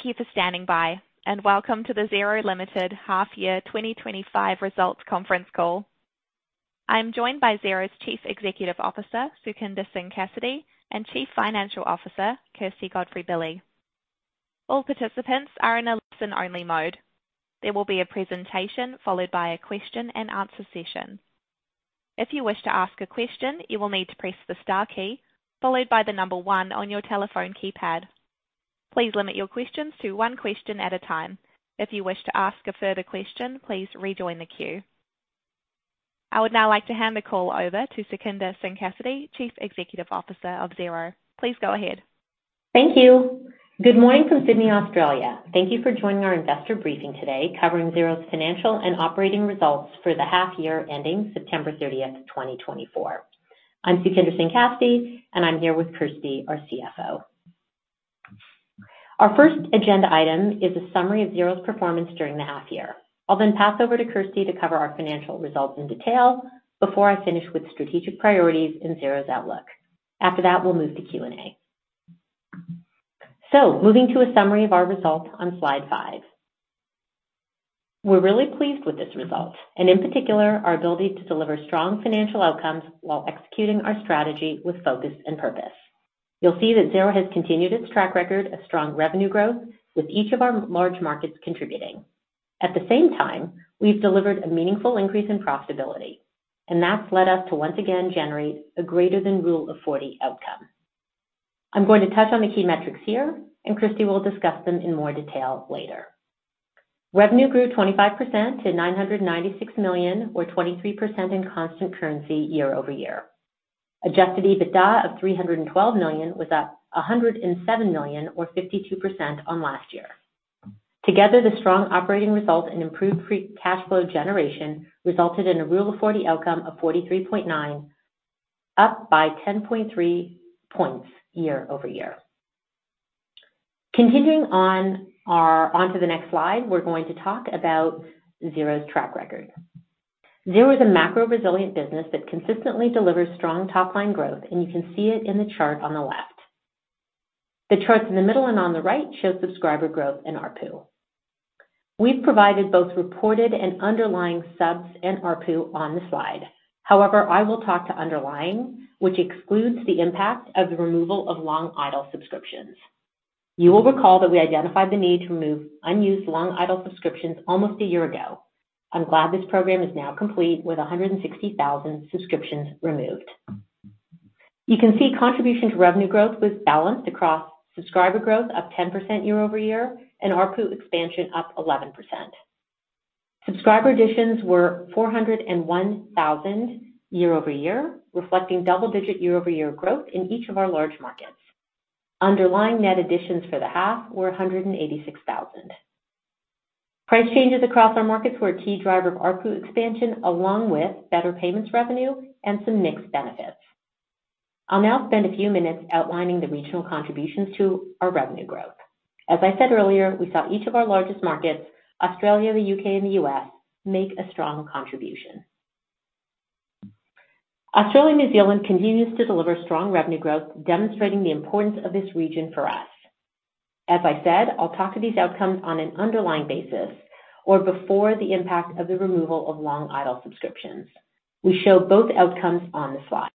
Thank you for standing by, and welcome to the Xero Limited Half Year 2025 Results Conference Call. I am joined by Xero's Chief Executive Officer, Sukhinder Singh Cassidy, and Chief Financial Officer, Kirsty Godfrey-Billy. All participants are in a listen-only mode. There will be a presentation followed by a question-and-answer session. If you wish to ask a question, you will need to press the star key, followed by the number one on your telephone keypad. Please limit your questions to one question at a time. If you wish to ask a further question, please rejoin the queue. I would now like to hand the call over to Sukhinder Singh Cassidy, Chief Executive Officer of Xero. Please go ahead. Thank you. Good morning from Sydney, Australia. Thank you for joining our investor briefing today covering Xero's financial and operating results for the half year ending September 30th, 2024. I'm Sukhinder Singh Cassidy, and I'm here with Kirsty, our CFO. Our first agenda item is a summary of Xero's performance during the half year. I'll then pass over to Kirsty to cover our financial results in detail before I finish with strategic priorities and Xero's outlook. After that, we'll move to Q&A. So, moving to a summary of our results on slide five. We're really pleased with this result, and in particular, our ability to deliver strong financial outcomes while executing our strategy with focus and purpose. You'll see that Xero has continued its track record of strong revenue growth, with each of our large markets contributing. At the same time, we've delivered a meaningful increase in profitability, and that's led us to once again generate a greater than Rule of 40 outcome. I'm going to touch on the key metrics here, and Kirsty will discuss them in more detail later. Revenue grew 25% to 996 million, or 23% in constant currency year-over-year. Adjusted EBITDA of 312 million was up 107 million, or 52% on last year. Together, the strong operating results and improved cash flow generation resulted in a Rule of 40 outcome of 43.9, up by 10.3 points year-over-year. Continuing on to the next slide, we're going to talk about Xero's track record. Xero is a macro-resilient business that consistently delivers strong top-line growth, and you can see it in the chart on the left. The charts in the middle and on the right show subscriber growth and ARPU. We've provided both reported and underlying subs and ARPU on the slide. However, I will talk to underlying, which excludes the impact of the removal of long idle subscriptions. You will recall that we identified the need to remove unused long idle subscriptions almost a year ago. I'm glad this program is now complete with 160,000 subscriptions removed. You can see contribution to revenue growth was balanced across subscriber growth, up 10% year-over-year, and ARPU expansion, up 11%. Subscriber additions were 401,000 year-over-year, reflecting double-digit year-over-year growth in each of our large markets. Underlying net additions for the half were 186,000. Price changes across our markets were a key driver of ARPU expansion, along with better payments revenue and some mixed benefits. I'll now spend a few minutes outlining the regional contributions to our revenue growth. As I said earlier, we saw each of our largest markets, Australia, the U.K., and the U.S., make a strong contribution. Australia and New Zealand continue to deliver strong revenue growth, demonstrating the importance of this region for us. As I said, I'll talk to these outcomes on an underlying basis or before the impact of the removal of long idle subscriptions. We show both outcomes on the slide.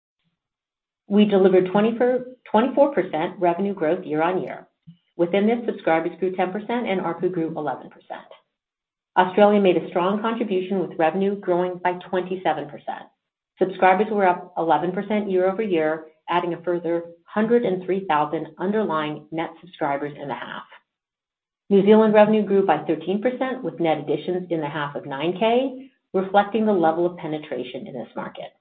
We delivered 24% revenue growth year on year. Within this, subscribers grew 10% and ARPU grew 11%. Australia made a strong contribution with revenue growing by 27%. Subscribers were up 11% year-over-year, adding a further 103,000 underlying net subscribers in the half. New Zealand revenue grew by 13% with net additions in the half of 9,000, reflecting the level of penetration in this market.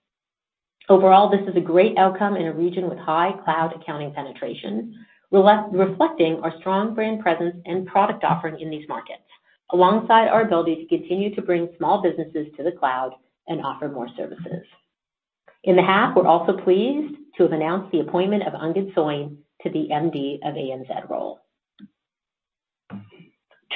Overall, this is a great outcome in a region with high cloud accounting penetration, reflecting our strong brand presence and product offering in these markets, alongside our ability to continue to bring small businesses to the cloud and offer more services. In the half, we're also pleased to have announced the appointment of Angad Soin to the MD of ANZ role.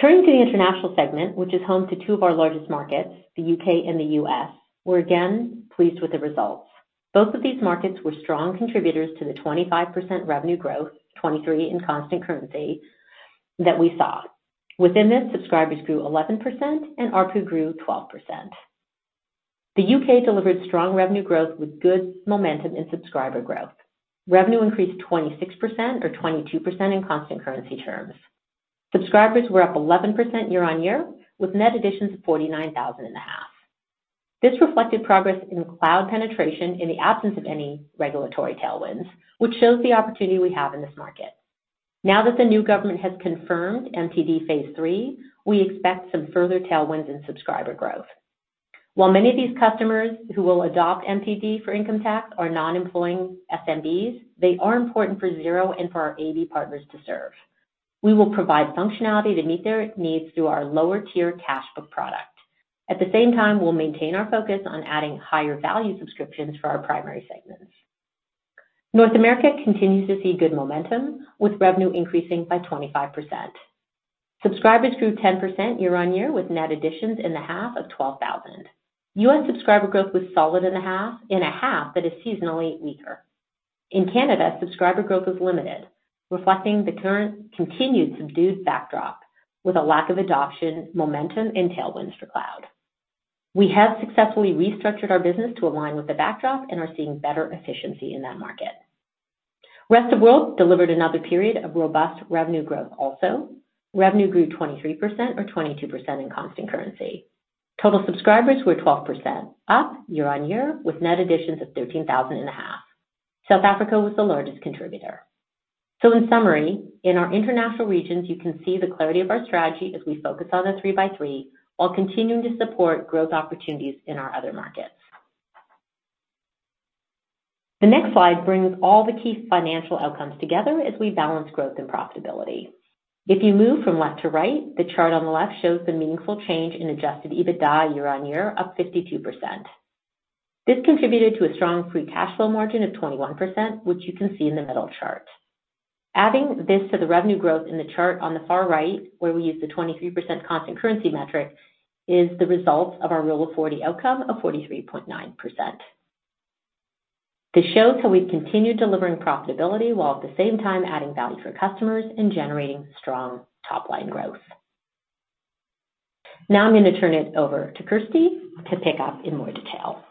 Turning to the international segment, which is home to two of our largest markets, the U.K. and the U.S., we're again pleased with the results. Both of these markets were strong contributors to the 25% revenue growth, 23% in constant currency that we saw. Within this, subscribers grew 11% and ARPU grew 12%. The U.K. delivered strong revenue growth with good momentum in subscriber growth. Revenue increased 26% or 22% in constant currency terms. Subscribers were up 11% year on year with net additions of 49,000 in the half. This reflected progress in cloud penetration in the absence of any regulatory tailwinds, which shows the opportunity we have in this market. Now that the new government has confirmed MTD phase III, we expect some further tailwinds in subscriber growth. While many of these customers who will adopt MTD for income tax are non-employing SMBs, they are important for Xero and for our AB partners to serve. We will provide functionality to meet their needs through our lower-tier Cashbook product. At the same time, we'll maintain our focus on adding higher value subscriptions for our primary segments. North America continues to see good momentum with revenue increasing by 25%. Subscribers grew 10% year on year with net additions in the half of 12,000. U.S. subscriber growth was solid in the half, in a half that is seasonally weaker. In Canada, subscriber growth was limited, reflecting the current continued subdued backdrop with a lack of adoption, momentum, and tailwinds for cloud. We have successfully restructured our business to align with the backdrop and are seeing better efficiency in that market. Rest of the world delivered another period of robust revenue growth also. Revenue grew 23% or 22% in constant currency. Total subscribers were 12%, up year on year with net additions of 13,000 in the half. South Africa was the largest contributor. So, in summary, in our international regions, you can see the clarity of our strategy as we focus on the three-by-three while continuing to support growth opportunities in our other markets. The next slide brings all the key financial outcomes together as we balance growth and profitability. If you move from left to right, the chart on the left shows the meaningful change in Adjusted EBITDA year on year, up 52%. This contributed to a strong free cash flow margin of 21%, which you can see in the middle chart. Adding this to the revenue growth in the chart on the far right, where we use the 23% constant currency metric, is the result of our Rule of 40 outcome of 43.9%. This shows how we've continued delivering profitability while at the same time adding value for customers and generating strong top-line growth. Now I'm going to turn it over to Kirsty to pick up in more detail.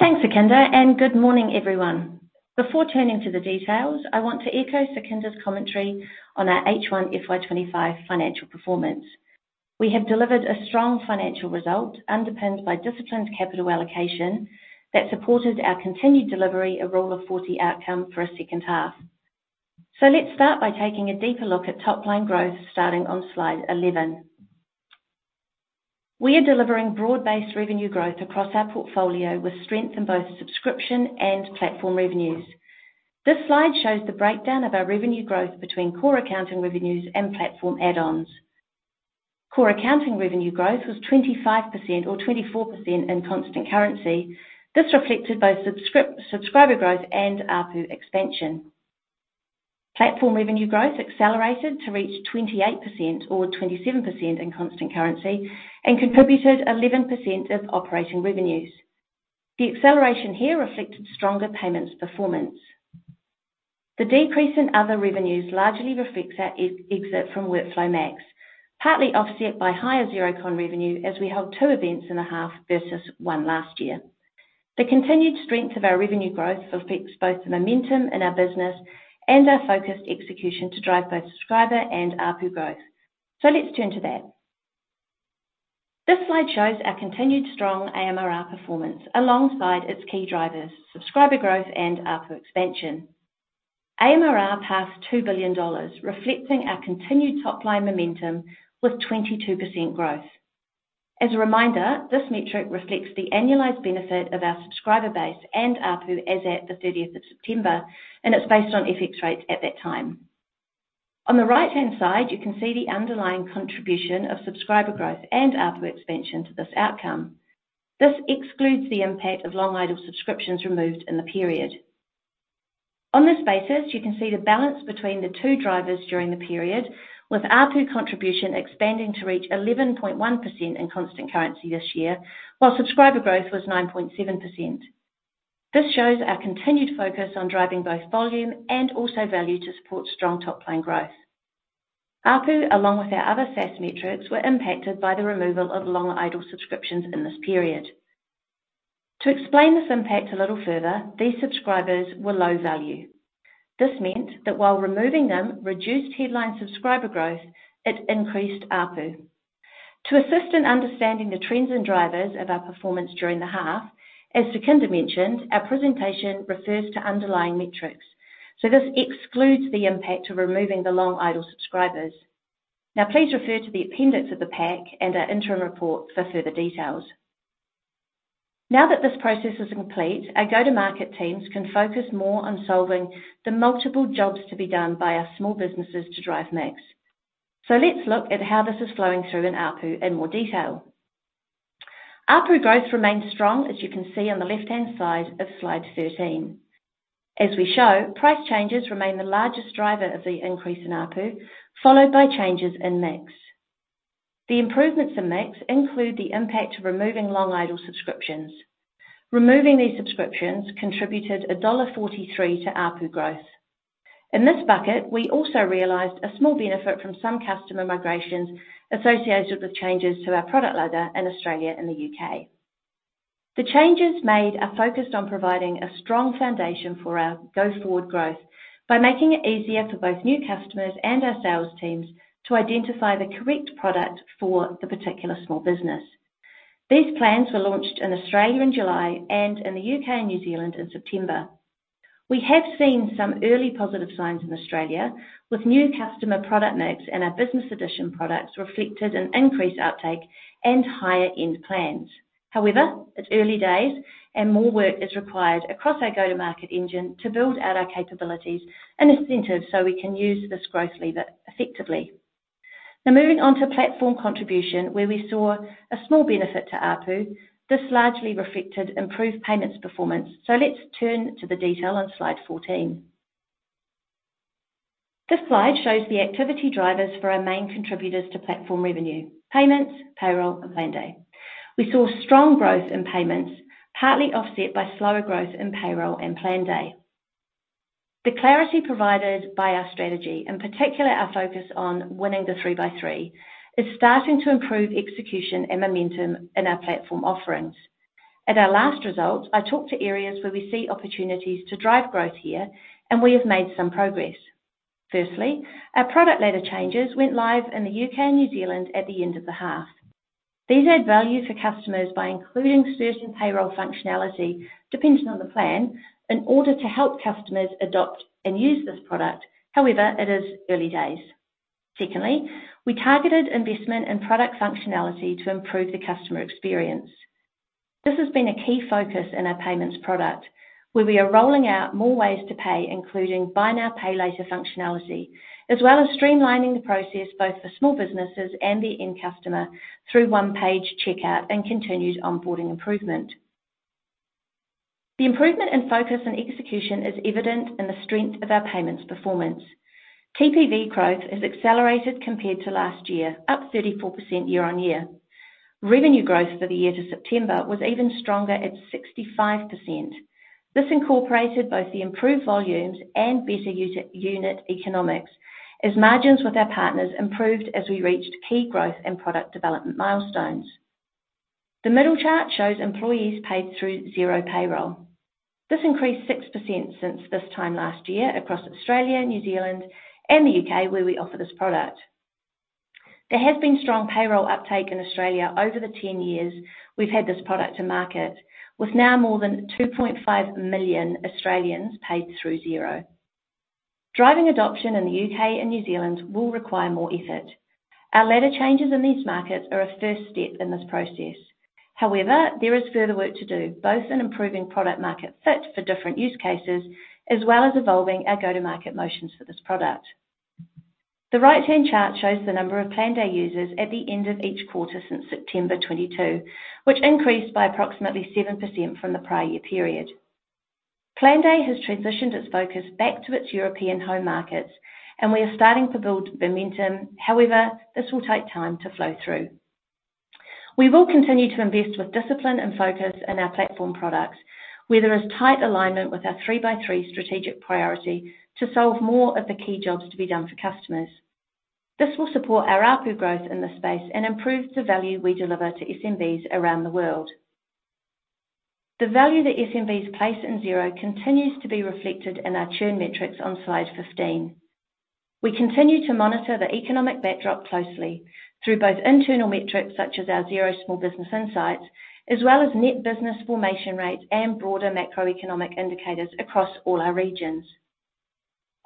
Thanks, Sukhinder, and good morning, everyone. Before turning to the details, I want to echo Sukhinder's commentary on our H1 FY 2025 financial performance. We have delivered a strong financial result underpinned by disciplined capital allocation that supported our continued delivery of Rule of 40 outcome for a second half. So, let's start by taking a deeper look at top-line growth starting on slide 11. We are delivering broad-based revenue growth across our portfolio with strength in both subscription and platform revenues. This slide shows the breakdown of our revenue growth between core accounting revenues and platform add-ons. Core accounting revenue growth was 25% or 24% in constant currency. This reflected both subscriber growth and ARPU expansion. Platform revenue growth accelerated to reach 28% or 27% in constant currency and contributed 11% of operating revenues. The acceleration here reflected stronger payments performance. The decrease in other revenues largely reflects our exit from WorkflowMax, partly offset by higher Xerocon revenue as we held two events in the half versus one last year. The continued strength of our revenue growth affects both the momentum in our business and our focused execution to drive both subscriber and ARPU growth, so let's turn to that. This slide shows our continued strong AMRR performance alongside its key drivers, subscriber growth and ARPU expansion. AMRR passed $2 billion, reflecting our continued top-line momentum with 22% growth. As a reminder, this metric reflects the annualized benefit of our subscriber base and ARPU as at the 30th of September, and it's based on FX rates at that time. On the right-hand side, you can see the underlying contribution of subscriber growth and ARPU expansion to this outcome. This excludes the impact of long idle subscriptions removed in the period. On this basis, you can see the balance between the two drivers during the period, with ARPU contribution expanding to reach 11.1% in constant currency this year, while subscriber growth was 9.7%. This shows our continued focus on driving both volume and also value to support strong top-line growth. ARPU, along with our other SaaS metrics, were impacted by the removal of long idle subscriptions in this period. To explain this impact a little further, these subscribers were low value. This meant that while removing them reduced headline subscriber growth, it increased ARPU. To assist in understanding the trends and drivers of our performance during the half, as Sukhinder mentioned, our presentation refers to underlying metrics. So, this excludes the impact of removing the long idle subscribers. Now, please refer to the appendix of the pack and our interim report for further details. Now that this process is complete, our go-to-market teams can focus more on solving the multiple jobs to be done by our small businesses to drive mix. So, let's look at how this is flowing through in ARPU in more detail. ARPU growth remains strong, as you can see on the left-hand side of slide 13. As we show, price changes remain the largest driver of the increase in ARPU, followed by changes in mix. The improvements in mix include the impact of removing long idle subscriptions. Removing these subscriptions contributed dollar 1.43 to ARPU growth. In this bucket, we also realized a small benefit from some customer migrations associated with changes to our product ladder in Australia and the U.K. The changes made are focused on providing a strong foundation for our go-forward growth by making it easier for both new customers and our sales teams to identify the correct product for the particular small business. These plans were launched in Australia in July and in the U.K. and New Zealand in September. We have seen some early positive signs in Australia, with new customer product mix and our Business Edition products reflected in increased uptake and higher-end plans. However, it's early days, and more work is required across our go-to-market engine to build out our capabilities and incentives so we can use this growth lever effectively. Now, moving on to platform contribution, where we saw a small benefit to ARPU, this largely reflected improved payments performance. So, let's turn to the detail on slide 14. This slide shows the activity drivers for our main contributors to platform revenue: payments, payroll, and Planday. We saw strong growth in payments, partly offset by slower growth in payroll and Planday. The clarity provided by our strategy, in particular our focus on winning the three-by-three, is starting to improve execution and momentum in our platform offerings. At our last results, I talked to areas where we see opportunities to drive growth here, and we have made some progress. Firstly, our product ladder changes went live in the U.K. and New Zealand at the end of the half. These add value for customers by including certain payroll functionality depending on the plan in order to help customers adopt and use this product. However, it is early days. Secondly, we targeted investment in product functionality to improve the customer experience. This has been a key focus in our payments product, where we are rolling out more ways to pay, including buy now, pay later functionality, as well as streamlining the process both for small businesses and the end customer through one-page checkout and continued onboarding improvement. The improvement in focus and execution is evident in the strength of our payments performance. TPV growth has accelerated compared to last year, up 34% year on year. Revenue growth for the year to September was even stronger at 65%. This incorporated both the improved volumes and better unit economics as margins with our partners improved as we reached key growth and product development milestones. The middle chart shows employees paid through Xero Payroll. This increased 6% since this time last year across Australia, New Zealand, and the U.K., where we offer this product. There has been strong payroll uptake in Australia over the 10 years we've had this product to market, with now more than 2.5 million Australians paid through Xero. Driving adoption in the U.K. and New Zealand will require more effort. Our ladder changes in these markets are a first step in this process. However, there is further work to do, both in improving product market fit for different use cases as well as evolving our go-to-market motions for this product. The right-hand chart shows the number of Planday users at the end of each quarter since September 2022, which increased by approximately 7% from the prior year period. Planday has transitioned its focus back to its European home markets, and we are starting to build momentum. However, this will take time to flow through. We will continue to invest with discipline and focus in our platform products, where there is tight alignment with our three-by-three strategic priority to solve more of the key jobs to be done for customers. This will support our ARPU growth in this space and improve the value we deliver to SMBs around the world. The value that SMBs place in Xero continues to be reflected in our churn metrics on slide 15. We continue to monitor the economic backdrop closely through both internal metrics such as our Xero Small Business Insights, as well as net business formation rates and broader macroeconomic indicators across all our regions.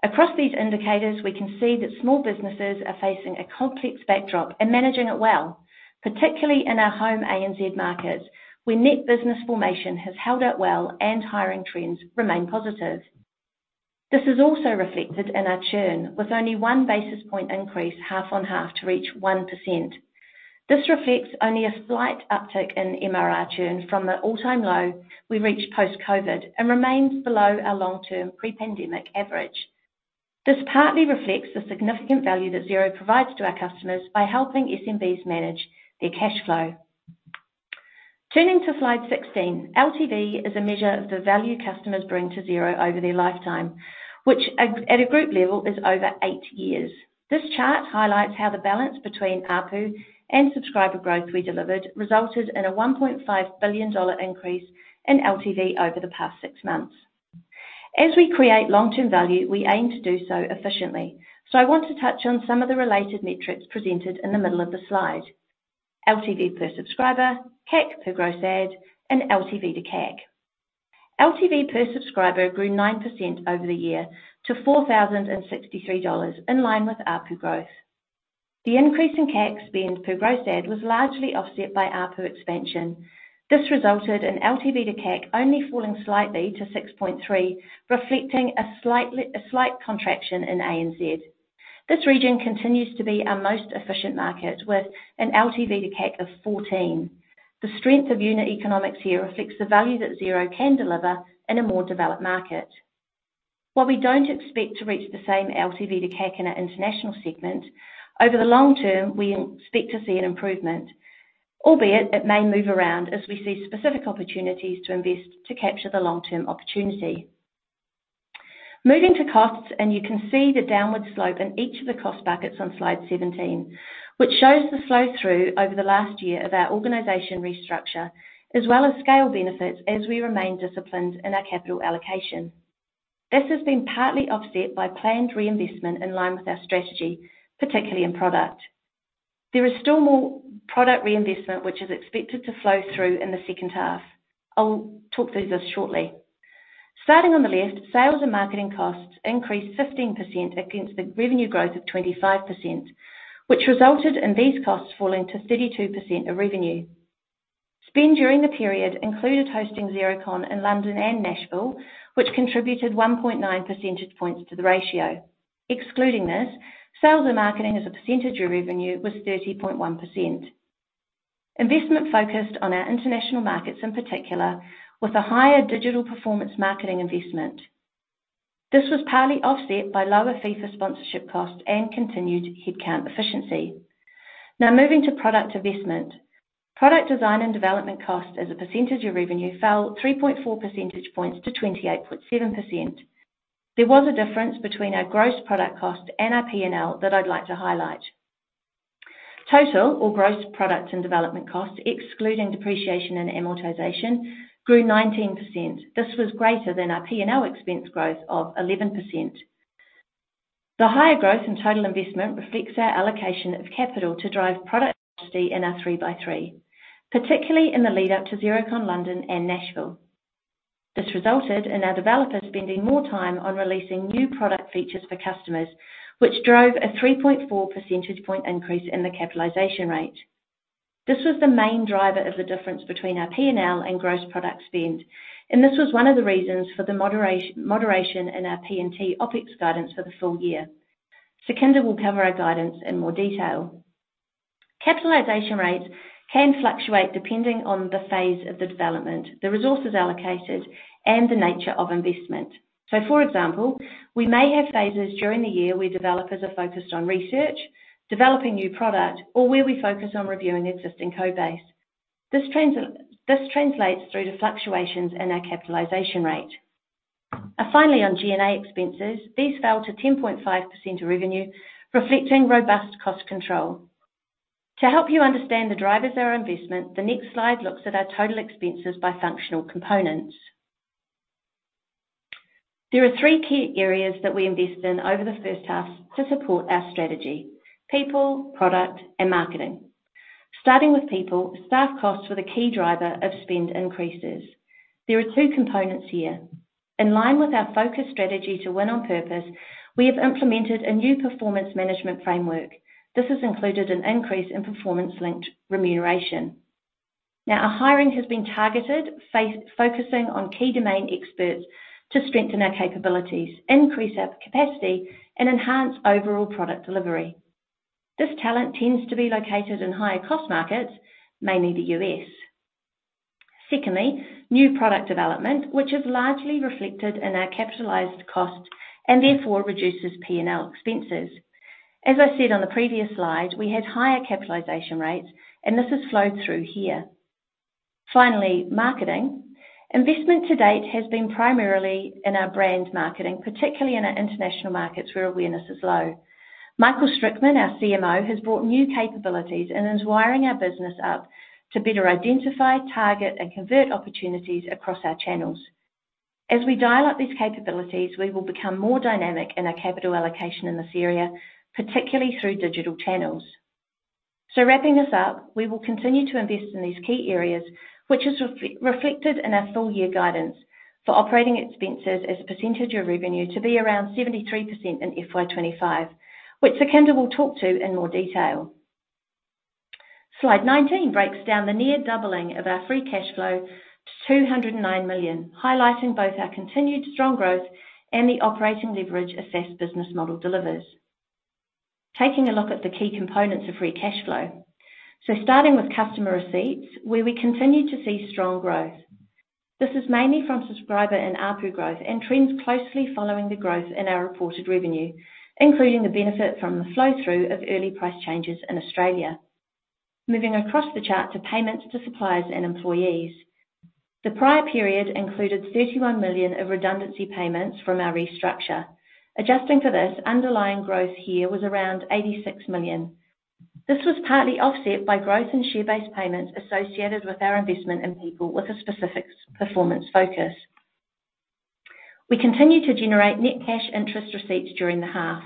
Across these indicators, we can see that small businesses are facing a complex backdrop and managing it well, particularly in our home ANZ markets, where net business formation has held up well and hiring trends remain positive. This is also reflected in our churn, with only one basis point increase half on half to reach 1%. This reflects only a slight uptick in MRR churn from the all-time low we reached post-COVID and remains below our long-term pre-pandemic average. This partly reflects the significant value that Xero provides to our customers by helping SMBs manage their cash flow. Turning to slide 16, LTV is a measure of the value customers bring to Xero over their lifetime, which at a group level is over eight years. This chart highlights how the balance between ARPU and subscriber growth we delivered resulted in a $1.5 billion increase in LTV over the past six months. As we create long-term value, we aim to do so efficiently. I want to touch on some of the related metrics presented in the middle of the slide: LTV per subscriber, CAC per gross add, and LTV to CAC. LTV per subscriber grew 9% over the year to $4,063, in line with ARPU growth. The increase in CAC spend per gross add was largely offset by ARPU expansion. This resulted in LTV to CAC only falling slightly to 6.3, reflecting a slight contraction in ANZ. This region continues to be our most efficient market, with an LTV to CAC of 14. The strength of unit economics here reflects the value that Xero can deliver in a more developed market. While we don't expect to reach the same LTV to CAC in our international segment, over the long term, we expect to see an improvement, albeit it may move around as we see specific opportunities to invest to capture the long-term opportunity. Moving to costs, and you can see the downward slope in each of the cost buckets on slide 17, which shows the flow through over the last year of our organization restructure, as well as scale benefits as we remain disciplined in our capital allocation. This has been partly offset by planned reinvestment in line with our strategy, particularly in product. There is still more product reinvestment, which is expected to flow through in the second half. I'll talk through this shortly. Starting on the left, sales and marketing costs increased 15% against the revenue growth of 25%, which resulted in these costs falling to 32% of revenue. Spend during the period included hosting Xerocon in London and Nashville, which contributed 1.9 percentage points to the ratio. Excluding this, sales and marketing as a percentage of revenue was 30.1%. Investment focused on our international markets in particular, with a higher digital performance marketing investment. This was partly offset by lower fee for sponsorship costs and continued headcount efficiency. Now, moving to product investment, product design and development costs as a percentage of revenue fell 3.4 percentage points to 28.7%. There was a difference between our gross product costs and our P&L that I'd like to highlight. Total, or gross product and development costs, excluding depreciation and amortization, grew 19%. This was greater than our P&L expense growth of 11%. The higher growth in total investment reflects our allocation of capital to drive product in our three-by-three, particularly in the lead-up to Xerocon London and Nashville. This resulted in our developers spending more time on releasing new product features for customers, which drove a 3.4 percentage point increase in the capitalization rate. This was the main driver of the difference between our P&L and gross product spend, and this was one of the reasons for the moderation in our P&T OpEx guidance for the full year. Sukhinder will cover our guidance in more detail. Capitalization rates can fluctuate depending on the phase of the development, the resources allocated, and the nature of investment. So, for example, we may have phases during the year where developers are focused on research, developing new product, or where we focus on reviewing existing code base. This translates through to fluctuations in our capitalization rate. Finally, on G&A expenses, these fell to 10.5% of revenue, reflecting robust cost control. To help you understand the drivers of our investment, the next slide looks at our total expenses by functional components. There are three key areas that we invest in over the first half to support our strategy: people, product, and marketing. Starting with people, staff costs were the key driver of spend increases. There are two components here. In line with our focus strategy to win on purpose, we have implemented a new performance management framework. This has included an increase in performance-linked remuneration. Now, our hiring has been targeted, focusing on key domain experts to strengthen our capabilities, increase our capacity, and enhance overall product delivery. This talent tends to be located in higher cost markets, mainly the U.S. Secondly, new product development, which is largely reflected in our capitalized costs and therefore reduces P&L expenses. As I said on the previous slide, we had higher capitalization rates, and this has flowed through here. Finally, marketing. Investment to date has been primarily in our brand marketing, particularly in our international markets where awareness is low. Michael Strickman, our CMO, has brought new capabilities and is wiring our business up to better identify, target, and convert opportunities across our channels. As we dial up these capabilities, we will become more dynamic in our capital allocation in this area, particularly through digital channels. So, wrapping this up, we will continue to invest in these key areas, which is reflected in our full-year guidance for operating expenses as a percentage of revenue to be around 73% in FY 2025, which Sukhinder will talk to in more detail. Slide 19 breaks down the near doubling of our free cash flow to 209 million, highlighting both our continued strong growth and the operating leverage asset-light business model delivers. Taking a look at the key components of free cash flow. So, starting with customer receipts, where we continue to see strong growth. This is mainly from subscriber and ARPU growth and trends closely following the growth in our reported revenue, including the benefit from the flow through of early price changes in Australia. Moving across the chart to payments to suppliers and employees. The prior period included 31 million of redundancy payments from our restructure. Adjusting for this, underlying growth here was around 86 million. This was partly offset by growth in share-based payments associated with our investment in people with a specific performance focus. We continue to generate net cash interest receipts during the half.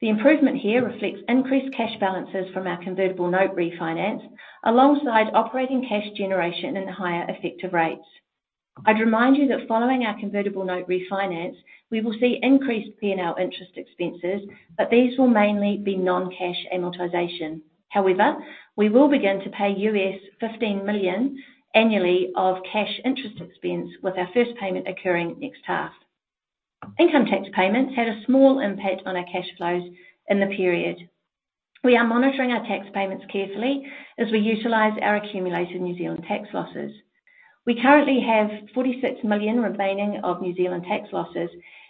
The improvement here reflects increased cash balances from our convertible note refinance alongside operating cash generation in the higher effective rates. I'd remind you that following our convertible note refinance, we will see increased P&L interest expenses, but these will mainly be non-cash amortization. However, we will begin to pay U.S. $15 million annually of cash interest expense with our first payment occurring next half. Income tax payments had a small impact on our cash flows in the period. We are monitoring our tax payments carefully as we utilize our accumulated New Zealand tax losses. We currently have $46 million remaining of New Zealand tax losses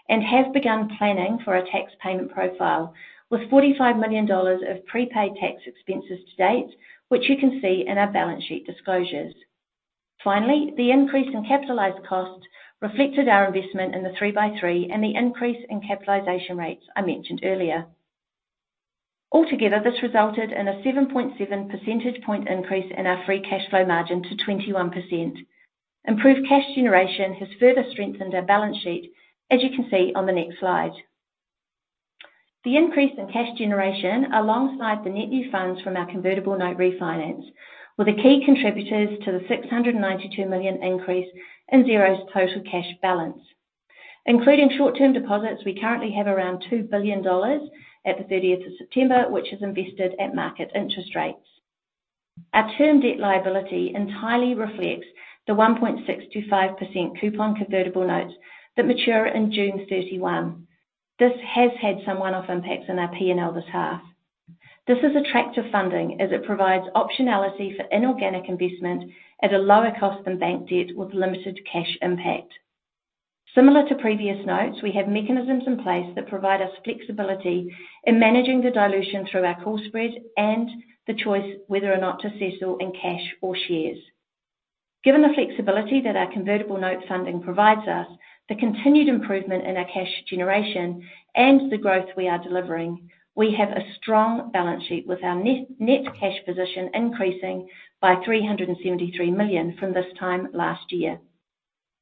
and have begun planning for our tax payment profile with $45 million of prepaid tax expenses to date, which you can see in our balance sheet disclosures. Finally, the increase in capitalized costs reflected our investment in the three-by-three and the increase in capitalization rates I mentioned earlier. Altogether, this resulted in a 7.7 percentage point increase in our free cash flow margin to 21%. Improved cash generation has further strengthened our balance sheet, as you can see on the next slide. The increase in cash generation alongside the net new funds from our convertible note refinance were the key contributors to the $692 million increase in Xero's total cash balance. Including short-term deposits, we currently have around $2 billion at the 30th of September, which is invested at market interest rates. Our term debt liability entirely reflects the 1.625% coupon convertible notes that mature in June 31. This has had some one-off impacts in our P&L this half. This is attractive funding as it provides optionality for inorganic investment at a lower cost than bank debt with limited cash impact. Similar to previous notes, we have mechanisms in place that provide us flexibility in managing the dilution through our call spread and the choice whether or not to settle in cash or shares. Given the flexibility that our convertible note funding provides us, the continued improvement in our cash generation, and the growth we are delivering, we have a strong balance sheet with our net cash position increasing by 373 million from this time last year.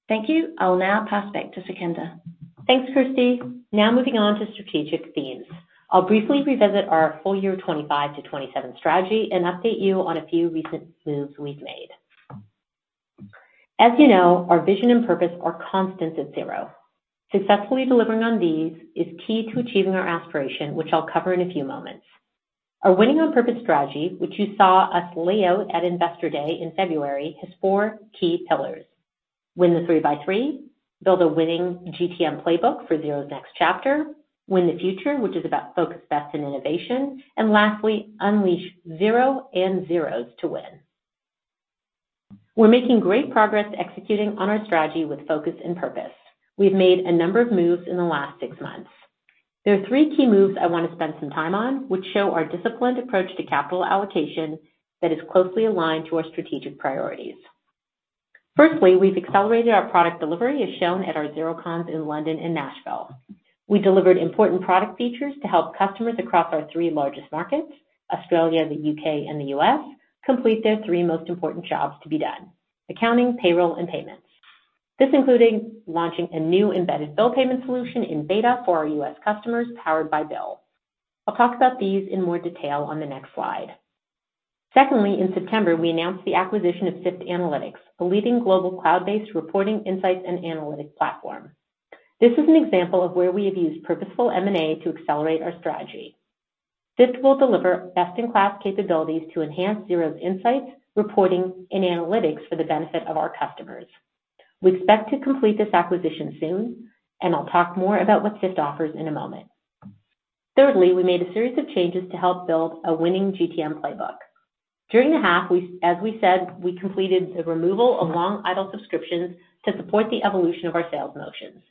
Thank you. I'll now pass back to Sukhinder. Thanks, Kirsty. Now, moving on to strategic themes, I'll briefly revisit our full year 2025 to 2027 strategy and update you on a few recent moves we've made. As you know, our vision and purpose are constants at Xero. Successfully delivering on these is key to achieving our aspiration, which I'll cover in a few moments. Our Winning on Purpose strategy, which you saw us lay out at Investor Day in February, has four key pillars: Win the three-by-three, build a winning GTM playbook for Xero's next chapter, win the future, which is about focused bets in innovation, and lastly, unleash Xero and Xero's to win. We're making great progress executing on our strategy with focus and purpose. We've made a number of moves in the last six months. There are three key moves I want to spend some time on, which show our disciplined approach to capital allocation that is closely aligned to our strategic priorities. Firstly, we've accelerated our product delivery, as shown at our Xerocons in London and Nashville. We delivered important product features to help customers across our three largest markets, Australia, the U.K., and the U.S., complete their three most important jobs to be done: accounting, payroll, and payments. This included launching a new embedded BILL payment solution in beta for our US customers powered by BILL. I'll talk about these in more detail on the next slide. Secondly, in September, we announced the acquisition of Syft Analytics, a leading global cloud-based reporting, insights, and analytics platform. This is an example of where we have used purposeful M&A to accelerate our strategy. Syft will deliver best-in-class capabilities to enhance Xero's insights, reporting, and analytics for the benefit of our customers. We expect to complete this acquisition soon, and I'll talk more about what Syft offers in a moment. Thirdly, we made a series of changes to help build a winning GTM playbook. During the half, as we said, we completed the removal of long idle subscriptions to support the evolution of our sales motions.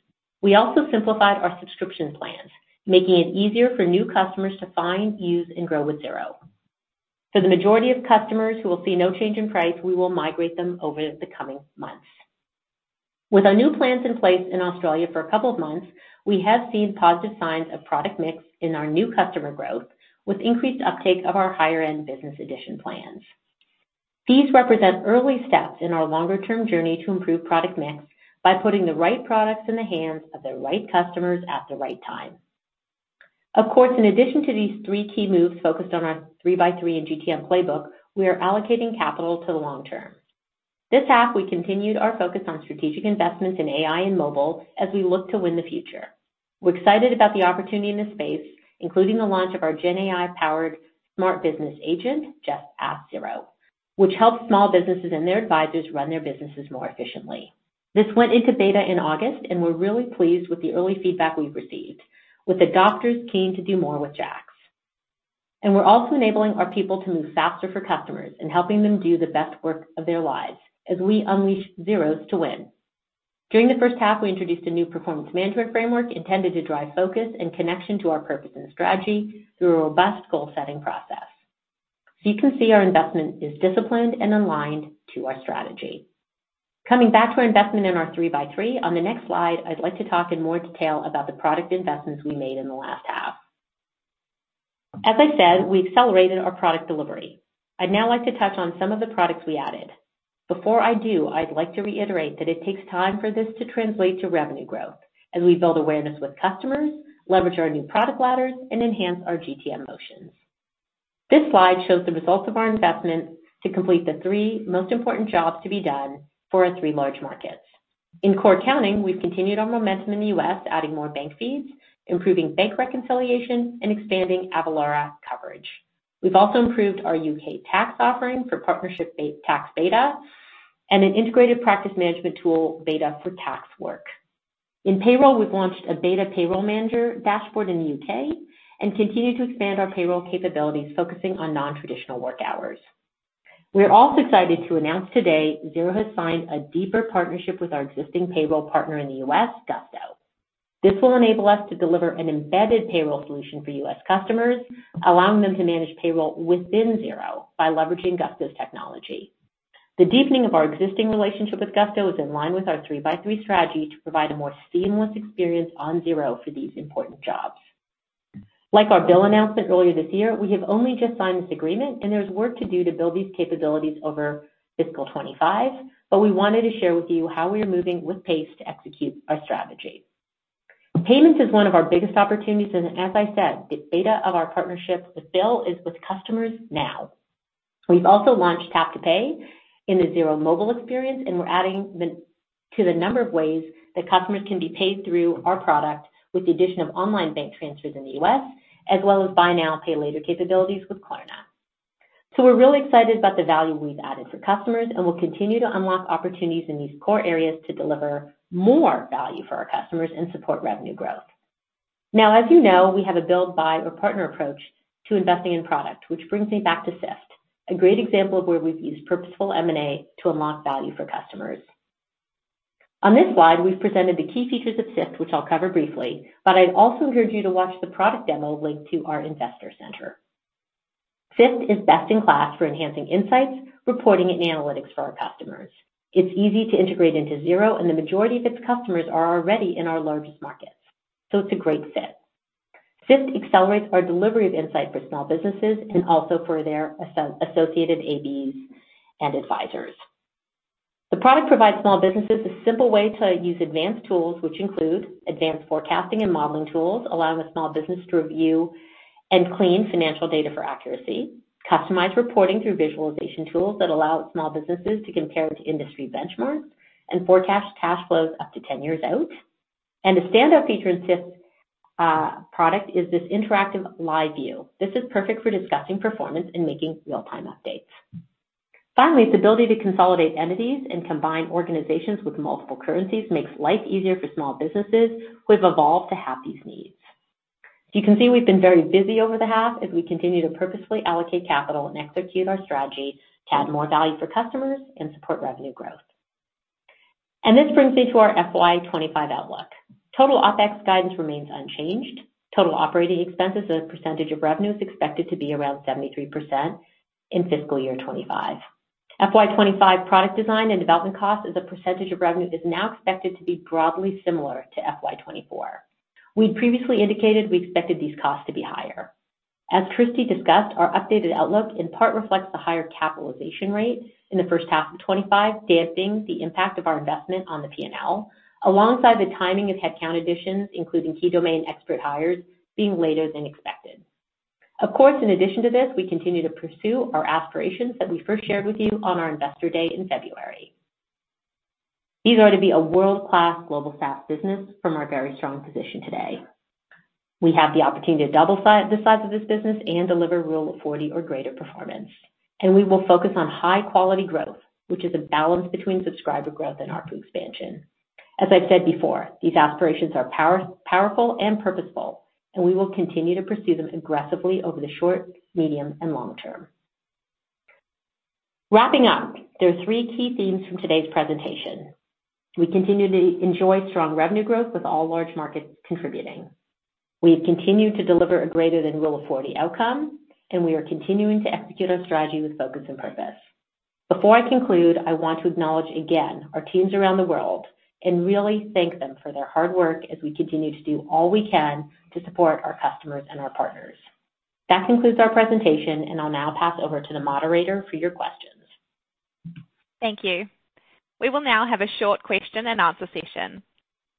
We also simplified our subscription plans, making it easier for new customers to find, use, and grow with Xero. For the majority of customers who will see no change in price, we will migrate them over the coming months. With our new plans in place in Australia for a couple of months, we have seen positive signs of product mix in our new customer growth, with increased uptake of our higher-end Business Edition plans. These represent early steps in our longer-term journey to improve product mix by putting the right products in the hands of the right customers at the right time. Of course, in addition to these three key moves focused on our three-by-three and GTM playbook, we are allocating capital to the long term. This half, we continued our focus on strategic investments in AI and mobile as we look to win the future. We're excited about the opportunity in this space, including the launch of our GenAI-powered smart business agent, Just Ask Xero, which helps small businesses and their advisors run their businesses more efficiently. This went into beta in August, and we're really pleased with the early feedback we've received, with adopters keen to do more with JAX. And we're also enabling our people to move faster for customers and helping them do the best work of their lives as we unleash Xero to win. During the first half, we introduced a new performance management framework intended to drive focus and connection to our purpose and strategy through a robust goal-setting process. So you can see our investment is disciplined and aligned to our strategy. Coming back to our investment in our three-by-three, on the next slide, I'd like to talk in more detail about the product investments we made in the last half. As I said, we accelerated our product delivery. I'd now like to touch on some of the products we added. Before I do, I'd like to reiterate that it takes time for this to translate to revenue growth as we build awareness with customers, leverage our new product ladders, and enhance our GTM motions. This slide shows the results of our investment to complete the three most important jobs to be done for our three large markets. In core accounting, we've continued our momentum in the U.S., adding more bank feeds, improving bank reconciliation, and expanding Avalara coverage. We've also improved our U.K. tax offering for partnership-based tax beta and an integrated practice management tool beta for tax work. In payroll, we've launched a beta payroll manager dashboard in the U.K. and continue to expand our payroll capabilities, focusing on non-traditional work hours. We're also excited to announce today Xero has signed a deeper partnership with our existing payroll partner in the U.S., Gusto. This will enable us to deliver an embedded payroll solution for U.S. customers, allowing them to manage payroll within Xero by leveraging Gusto's technology. The deepening of our existing relationship with Gusto is in line with our three-by-three strategy to provide a more seamless experience on Xero for these important jobs. Like our BILL announcement earlier this year, we have only just signed this agreement, and there's work to do to build these capabilities over fiscal 2025, but we wanted to share with you how we are moving with pace to execute our strategy. Payment is one of our biggest opportunities, and as I said, the beta of our partnership with BILL is with customers now. We've also launched Tap to Pay in the Xero mobile experience, and we're adding to the number of ways that customers can be paid through our product with the addition of online bank transfers in the U.S., as well as buy now, pay later capabilities with Klarna. So we're really excited about the value we've added for customers, and we'll continue to unlock opportunities in these core areas to deliver more value for our customers and support revenue growth. Now, as you know, we have a build, buy or partner approach to investing in product, which brings me back to Syft, a great example of where we've used purposeful M&A to unlock value for customers. On this slide, we've presented the key features of Syft, which I'll cover briefly, but I'd also encourage you to watch the product demo linked to our investor center. Syft is best in class for enhancing insights, reporting, and analytics for our customers. It's easy to integrate into Xero, and the majority of its customers are already in our largest markets, so it's a great fit. Syft accelerates our delivery of insight for small businesses and also for their associated ABs and advisors. The product provides small businesses a simple way to use advanced tools, which include advanced forecasting and modeling tools, allowing a small business to review and clean financial data for accuracy, customized reporting through visualization tools that allow small businesses to compare to industry benchmarks and forecast cash flows up to 10 years out, and a standout feature in Syft's product is this interactive live view. This is perfect for discussing performance and making real-time updates. Finally, the ability to consolidate entities and combine organizations with multiple currencies makes life easier for small businesses who have evolved to have these needs. So you can see we've been very busy over the half as we continue to purposefully allocate capital and execute our strategy to add more value for customers and support revenue growth. And this brings me to our FY 2025 outlook. Total OpEx guidance remains unchanged. Total operating expenses are a percentage of revenues expected to be around 73% in fiscal year 2025. FY 2025 product design and development costs as a percentage of revenue is now expected to be broadly similar to FY 2024. We'd previously indicated we expected these costs to be higher. As Kirsty discussed, our updated outlook in part reflects the higher capitalization rate in the first half of 2025, damping the impact of our investment on the P&L, alongside the timing of headcount additions, including key domain expert hires being later than expected. Of course, in addition to this, we continue to pursue our aspirations that we first shared with you on our investor day in February. These are to be a world-class global SaaS business from our very strong position today. We have the opportunity to double the size of this business and deliver Rule of 40 or greater performance, and we will focus on high-quality growth, which is a balance between subscriber growth and ARPU expansion. As I've said before, these aspirations are powerful and purposeful, and we will continue to pursue them aggressively over the short, medium, and long term. Wrapping up, there are three key themes from today's presentation. We continue to enjoy strong revenue growth with all large markets contributing. We have continued to deliver a greater than Rule of 40 outcome, and we are continuing to execute our strategy with focus and purpose. Before I conclude, I want to acknowledge again our teams around the world and really thank them for their hard work as we continue to do all we can to support our customers and our partners. That concludes our presentation, and I'll now pass over to the moderator for your questions. Thank you. We will now have a short question-and-answer session.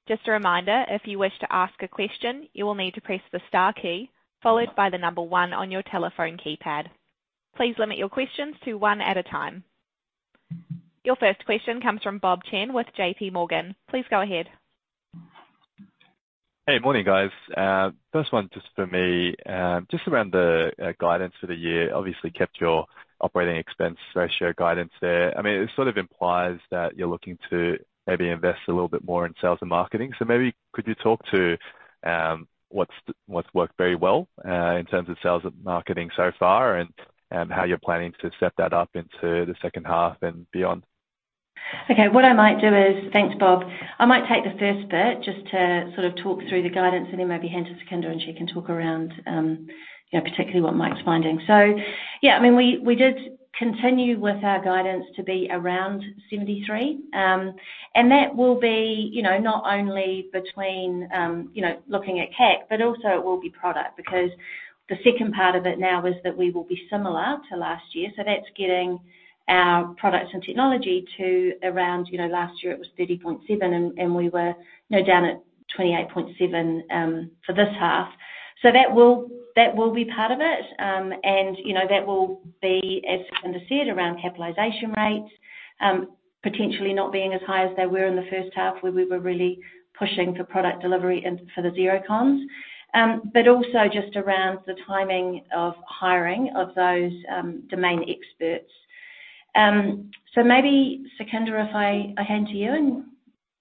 Just a reminder, if you wish to ask a question, you will need to press the star key followed by the number one on your telephone keypad. Please limit your questions to one at a time. Your first question comes from Bob Chen with JPMorgan. Please go ahead. Hey, morning, guys. First one just for me, just around the guidance for the year. Obviously, kept your operating expense ratio guidance there. I mean, it sort of implies that you're looking to maybe invest a little bit more in sales and marketing. So maybe could you talk to what's worked very well in terms of sales and marketing so far and how you're planning to set that up into the second half and beyond? Okay, what I might do is, thanks, Bob. I might take the first bit just to sort of talk through the guidance, and then maybe hand it to Sukhinder and she can talk around particularly what Mike's finding. So yeah, I mean, we did continue with our guidance to be around 73, and that will be not only between looking at CAC, but also it will be product because the second part of it now is that we will be similar to last year. So that's getting our products and technology to around last year it was 30.7, and we were now down at 28.7 for this half. So that will be part of it, and that will be, let's see around capitalization rates, potentially not being as high as they were in the first half where we were really pushing for product delivery for the Xerocon, but also just around the timing of hiring of those domain experts. So maybe, Sukhinder, if I hand to you and.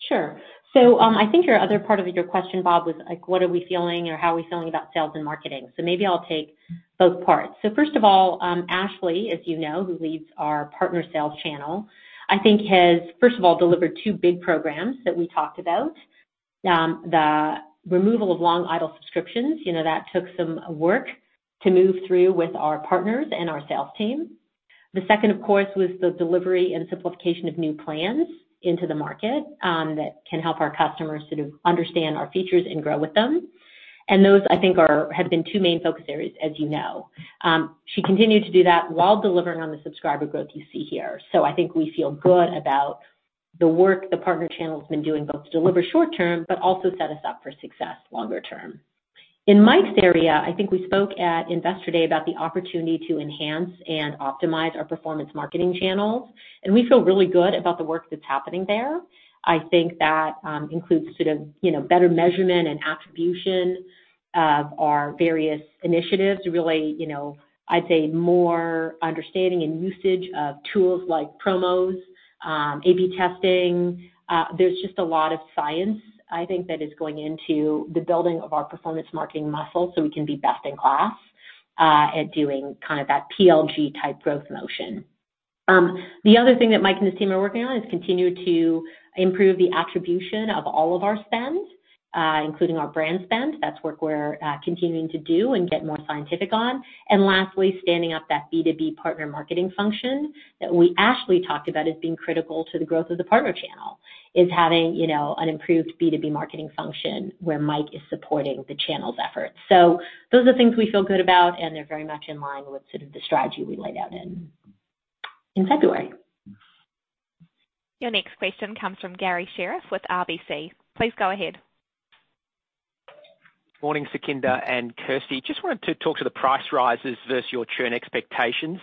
Sure. So, I think your other part of your question, Bob, was like, what are we feeling or how are we feeling about sales and marketing? So maybe I'll take both parts. So first of all, Ashley, as you know, who leads our partner sales channel, I think has, first of all, delivered two big programs that we talked about. The removal of long idle subscriptions, that took some work to move through with our partners and our sales team. The second, of course, was the delivery and simplification of new plans into the market that can help our customers sort of understand our features and grow with them. And those, I think, have been two main focus areas, as you know. She continued to do that while delivering on the subscriber growth you see here. So I think we feel good about the work the partner channel has been doing, both to deliver short-term, but also set us up for success longer-term. In Mike's area, I think we spoke at investor day about the opportunity to enhance and optimize our performance marketing channels, and we feel really good about the work that's happening there. I think that includes sort of better measurement and attribution of our various initiatives. Really, I'd say more understanding and usage of tools like promos, A/B testing. There's just a lot of science, I think, that is going into the building of our performance marketing muscle so we can be best in class at doing kind of that PLG-type growth motion. The other thing that Mike and his team are working on is continue to improve the attribution of all of our spend, including our brand spend. That's work we're continuing to do and get more scientific on, and lastly, standing up that B2B partner marketing function that we actually talked about as being critical to the growth of the partner channel, is having an improved B2B marketing function where Mike is supporting the channel's efforts. So those are things we feel good about, and they're very much in line with sort of the strategy we laid out in February, so those are things we feel good about, and they're very much in line with sort of the strategy we laid out in February. Your next question comes from Garry Sherriff with RBC. Please go ahead. Morning, Sukhinder and Kirsty. Just wanted to talk to the price rises versus your churn expectations.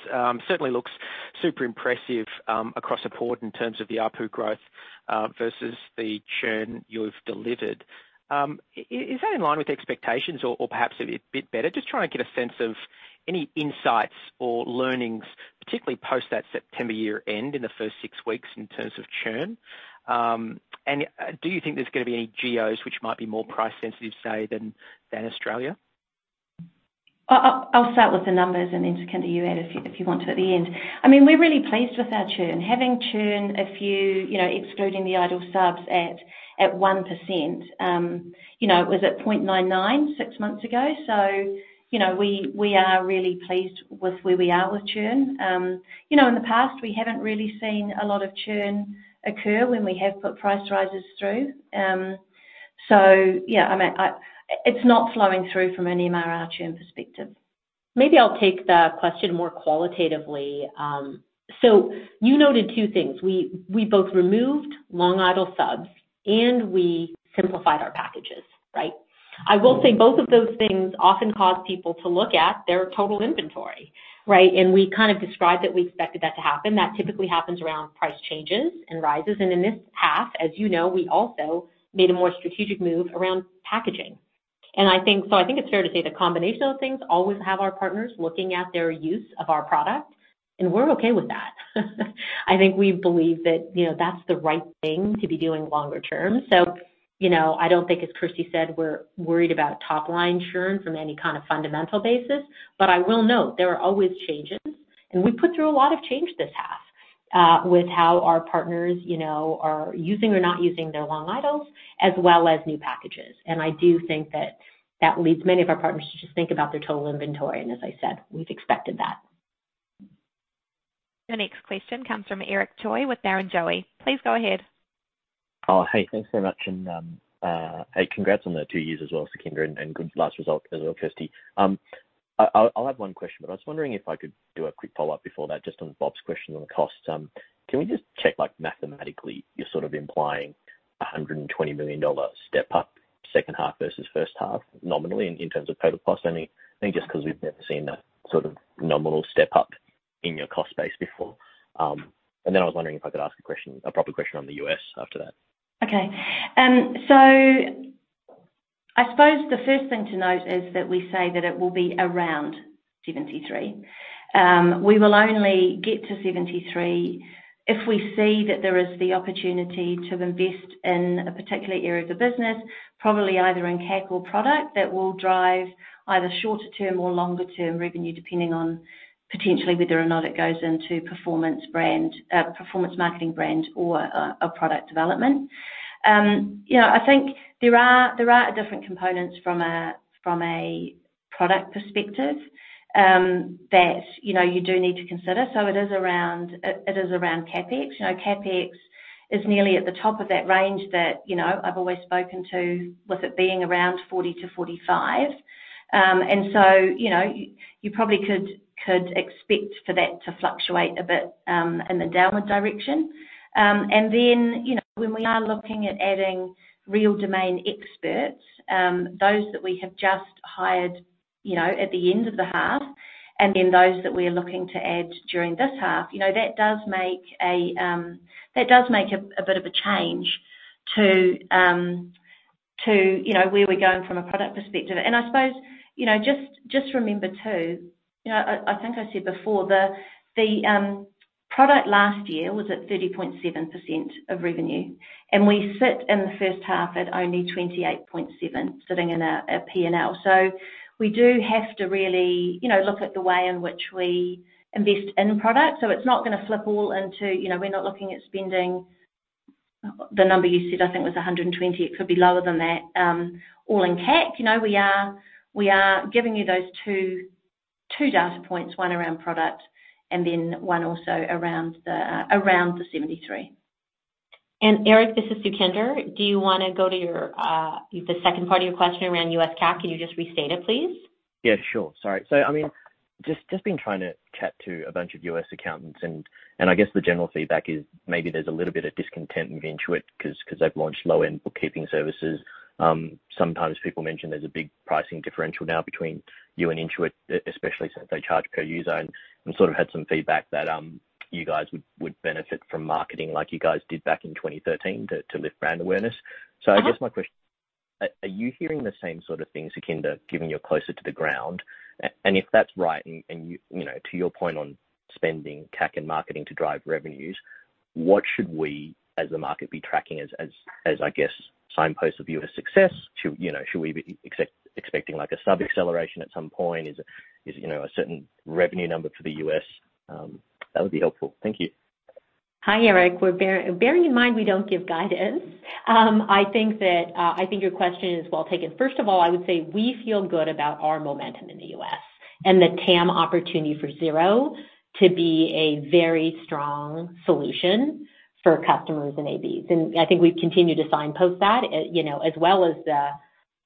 Certainly looks super impressive across the board in terms of the ARPU growth versus the churn you've delivered. Is that in line with expectations or perhaps a bit better? Just trying to get a sense of any insights or learnings, particularly post that September year-end in the first six weeks in terms of churn, and do you think there's going to be any geos which might be more price-sensitive, say, than Australia? I'll start with the numbers, and then Sukhinder, you add if you want to at the end. I mean, we're really pleased with our churn. Having churn, if you exclude the idle subs at 1%, it was at 0.99% six months ago. So we are really pleased with where we are with churn. In the past, we haven't really seen a lot of churn occur when we have put price rises through. So yeah, I mean, it's not flowing through from an MRR churn perspective. Maybe I'll take the question more qualitatively. So you noted two things. We both removed long idle subs, and we simplified our packages, right? I will say both of those things often cause people to look at their total inventory, right? And we kind of described that we expected that to happen. That typically happens around price changes and rises. And in this half, as you know, we also made a more strategic move around packaging. And so I think it's fair to say the combination of things always have our partners looking at their use of our product, and we're okay with that. I think we believe that that's the right thing to be doing longer term. So I don't think, as Kirsty said, we're worried about top-line churn from any kind of fundamental basis, but I will note there are always changes, and we put through a lot of change this half with how our partners are using or not using their long idles as well as new packages. And I do think that that leads many of our partners to just think about their total inventory. And as I said, we've expected that. Your next question comes from Eric Choi with Barrenjoey. Please go ahead. Oh, hey, thanks very much. And hey, congrats on the two years as well, Sukhinder, and good last result as well, Kirsty. I'll have one question, but I was wondering if I could do a quick follow-up before that, just on Bob's question on the costs. Can we just check mathematically you're sort of implying a $120 million step-up second half versus first half nominally in terms of total cost? I mean, just because we've never seen that sort of nominal step-up in your cost base before, and then I was wondering if I could ask a proper question on the US after that. Okay, so I suppose the first thing to note is that we say that it will be around 73. We will only get to 73 if we see that there is the opportunity to invest in a particular area of the business, probably either in CAC or product that will drive either shorter-term or longer-term revenue, depending on potentially whether or not it goes into performance marketing brand or a product development. I think there are different components from a product perspective that you do need to consider. It is around CapEx. CapEx is nearly at the top of that range that I've always spoken to, with it being around 40-45. You probably could expect for that to fluctuate a bit in the downward direction. When we are looking at adding real domain experts, those that we have just hired at the end of the half, and then those that we are looking to add during this half, that does make a bit of a change to where we're going from a product perspective. I suppose just remember too, I think I said before, the product last year was at 30.7% of revenue, and we sit in the first half at only 28.7%, sitting in a P&L. We do have to really look at the way in which we invest in product. So it's not going to flip all into. We're not looking at spending the number you said, I think, was 120. It could be lower than that. All in CAC, we are giving you those two data points, one around product and then one also around the 73. And Eric, this is Sukhinder. Do you want to go to the second part of your question around US CAC? Can you just restate it, please? Yeah, sure. Sorry. So I mean, just been trying to chat to a bunch of US accountants, and I guess the general feedback is maybe there's a little bit of discontent with Intuit because they've launched low-end bookkeeping services. Sometimes people mention there's a big pricing differential now between you and Intuit, especially since they charge per user, and sort of had some feedback that you guys would benefit from marketing like you guys did back in 2013 to lift brand awareness. So I guess my question is, are you hearing the same sort of thing, Sukhinder, given you're closer to the ground? And if that's right, and to your point on spending CAC and marketing to drive revenues, what should we, as the market, be tracking as, I guess, signposts of U.S. success? Should we be expecting a subscriber acceleration at some point? Is it a certain revenue number for the U.S.? That would be helpful. Thank you. Hi, Eric. Bearing in mind we don't give guidance, I think your question is well taken. First of all, I would say we feel good about our momentum in the US and the TAM opportunity for Xero to be a very strong solution for customers and ABs, and I think we've continued to signpost that as well as the,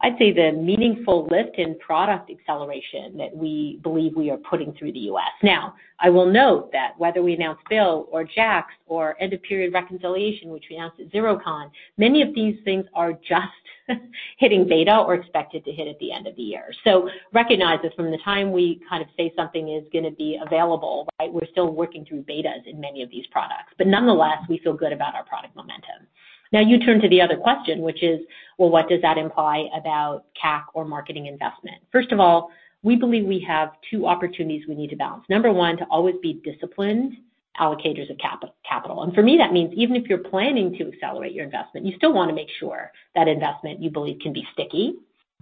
I'd say, the meaningful lift in product acceleration that we believe we are putting through the US. Now, I will note that whether we announce BILL or JAX or end-of-period reconciliation, which we announced at Xerocon, many of these things are just hitting beta or expected to hit at the end of the year, so recognize that from the time we kind of say something is going to be available, right, we're still working through betas in many of these products, but nonetheless, we feel good about our product momentum. Now, you turn to the other question, which is, well, what does that imply about CAC or marketing investment? First of all, we believe we have two opportunities we need to balance. Number one, to always be disciplined allocators of capital. And for me, that means even if you're planning to accelerate your investment, you still want to make sure that investment you believe can be sticky,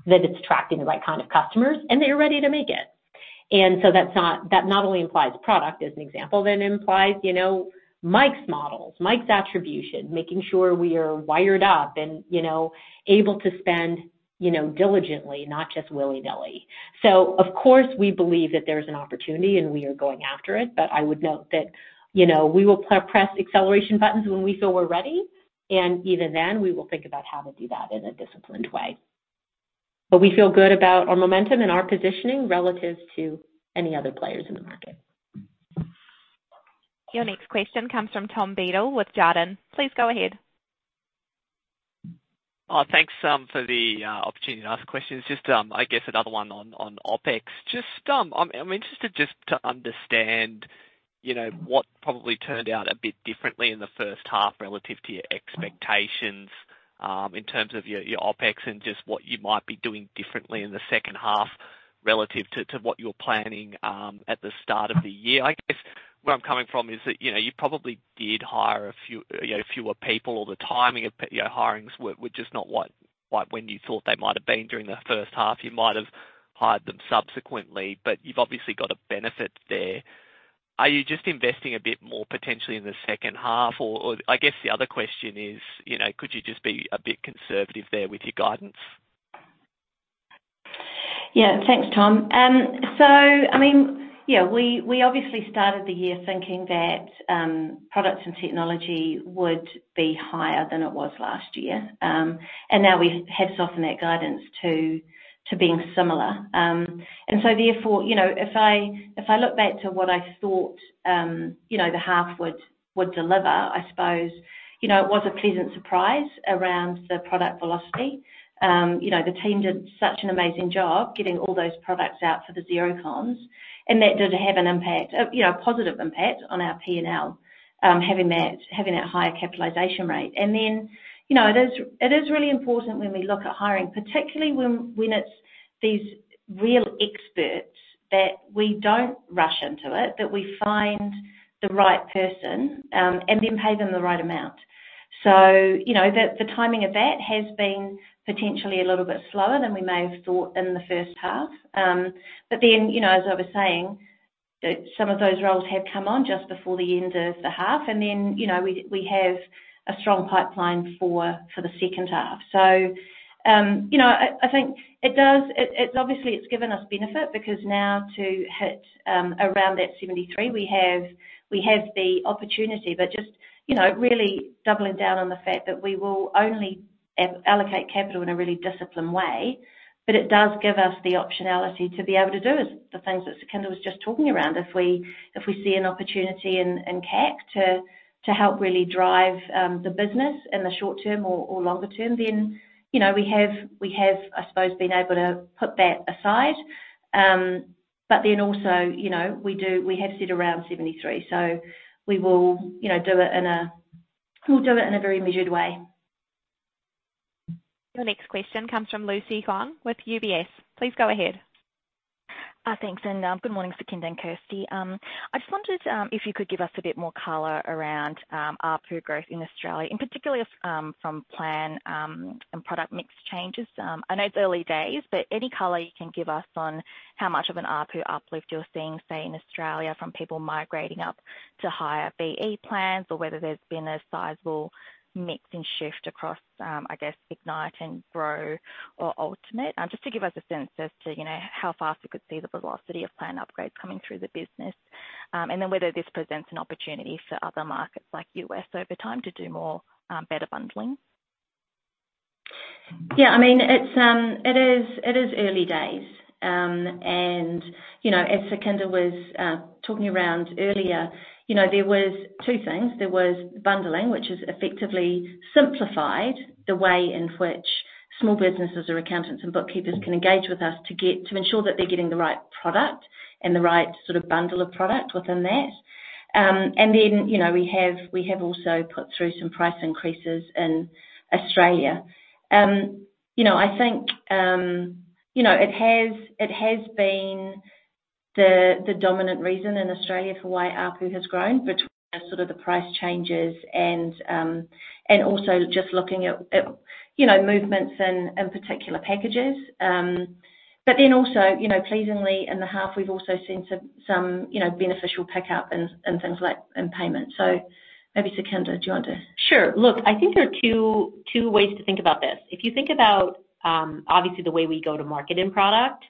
that it's attracting the right kind of customers, and that you're ready to make it. And so that not only implies product as an example, that implies Mike's models, Mike's attribution, making sure we are wired up and able to spend diligently, not just willy-nilly. So, of course, we believe that there is an opportunity and we are going after it, but I would note that we will press acceleration buttons when we feel we're ready, and even then we will think about how to do that in a disciplined way. But we feel good about our momentum and our positioning relative to any other players in the market. Your next question comes from Tom Beadle with Jarden. Please go ahead. Oh, thanks for the opportunity to ask questions. Just, I guess, another one on OpEx. I'm interested just to understand what probably turned out a bit differently in the first half relative to your expectations in terms of your OpEx and just what you might be doing differently in the second half relative to what you were planning at the start of the year. I guess where I'm coming from is that you probably did hire a fewer people or the timing of hirings were just not quite when you thought they might have been during the first half. You might have hired them subsequently, but you've obviously got a benefit there. Are you just investing a bit more potentially in the second half? Or I guess the other question is, could you just be a bit conservative there with your guidance? Yeah, thanks, Tom. So, I mean, yeah, we obviously started the year thinking that products and technology would be higher than it was last year, and now we have softened that guidance to being similar. And so, therefore, if I look back to what I thought the half would deliver, I suppose it was a pleasant surprise around the product velocity. The team did such an amazing job getting all those products out for the Xerocons, and that did have an impact, a positive impact on our P&L, having that higher capitalization rate. And then it is really important when we look at hiring, particularly when it's these real experts, that we don't rush into it, that we find the right person and then pay them the right amount. So the timing of that has been potentially a little bit slower than we may have thought in the first half. But then, as I was saying, some of those roles have come on just before the end of the half, and then we have a strong pipeline for the second half. So I think it does obviously. It's given us benefit because now to hit around that 73, we have the opportunity, but just really doubling down on the fact that we will only allocate capital in a really disciplined way. But it does give us the optionality to be able to do the things that Sukhinder was just talking around. If we see an opportunity in CAC to help really drive the business in the short term or longer term, then we have, I suppose, been able to put that aside. But then also we have set around 73, so we will do it in a we'll do it in a very measured way. Your next question comes from Lucy Huang with UBS. Please go ahead. Thanks. And good morning, Sukhinder and Kirsty. I just wondered if you could give us a bit more color around ARPU growth in Australia, in particular from plan and product mix changes. I know it's early days, but any color you can give us on how much of an ARPU uplift you're seeing, say, in Australia from people migrating up to higher BE plans or whether there's been a sizable mix and shift across, I guess, Ignite and Grow or Ultimate, just to give us a sense as to how fast we could see the velocity of plan upgrades coming through the business, and then whether this presents an opportunity for other markets like US over time to do better bundling. Yeah, I mean, it is early days. And as Sukhinder was talking about earlier, there were two things. There was bundling, which has effectively simplified the way in which small businesses or accountants and bookkeepers can engage with us to ensure that they're getting the right product and the right sort of bundle of product within that. And then we have also put through some price increases in Australia. I think it has been the dominant reason in Australia for why ARPU has grown between sort of the price changes and also just looking at movements in particular packages. But then also, pleasingly, in the half, we've also seen some beneficial pickup in things like payment. So maybe Sukhinder, do you want to? Sure. Look, I think there are two ways to think about this. If you think about, obviously, the way we go to market in product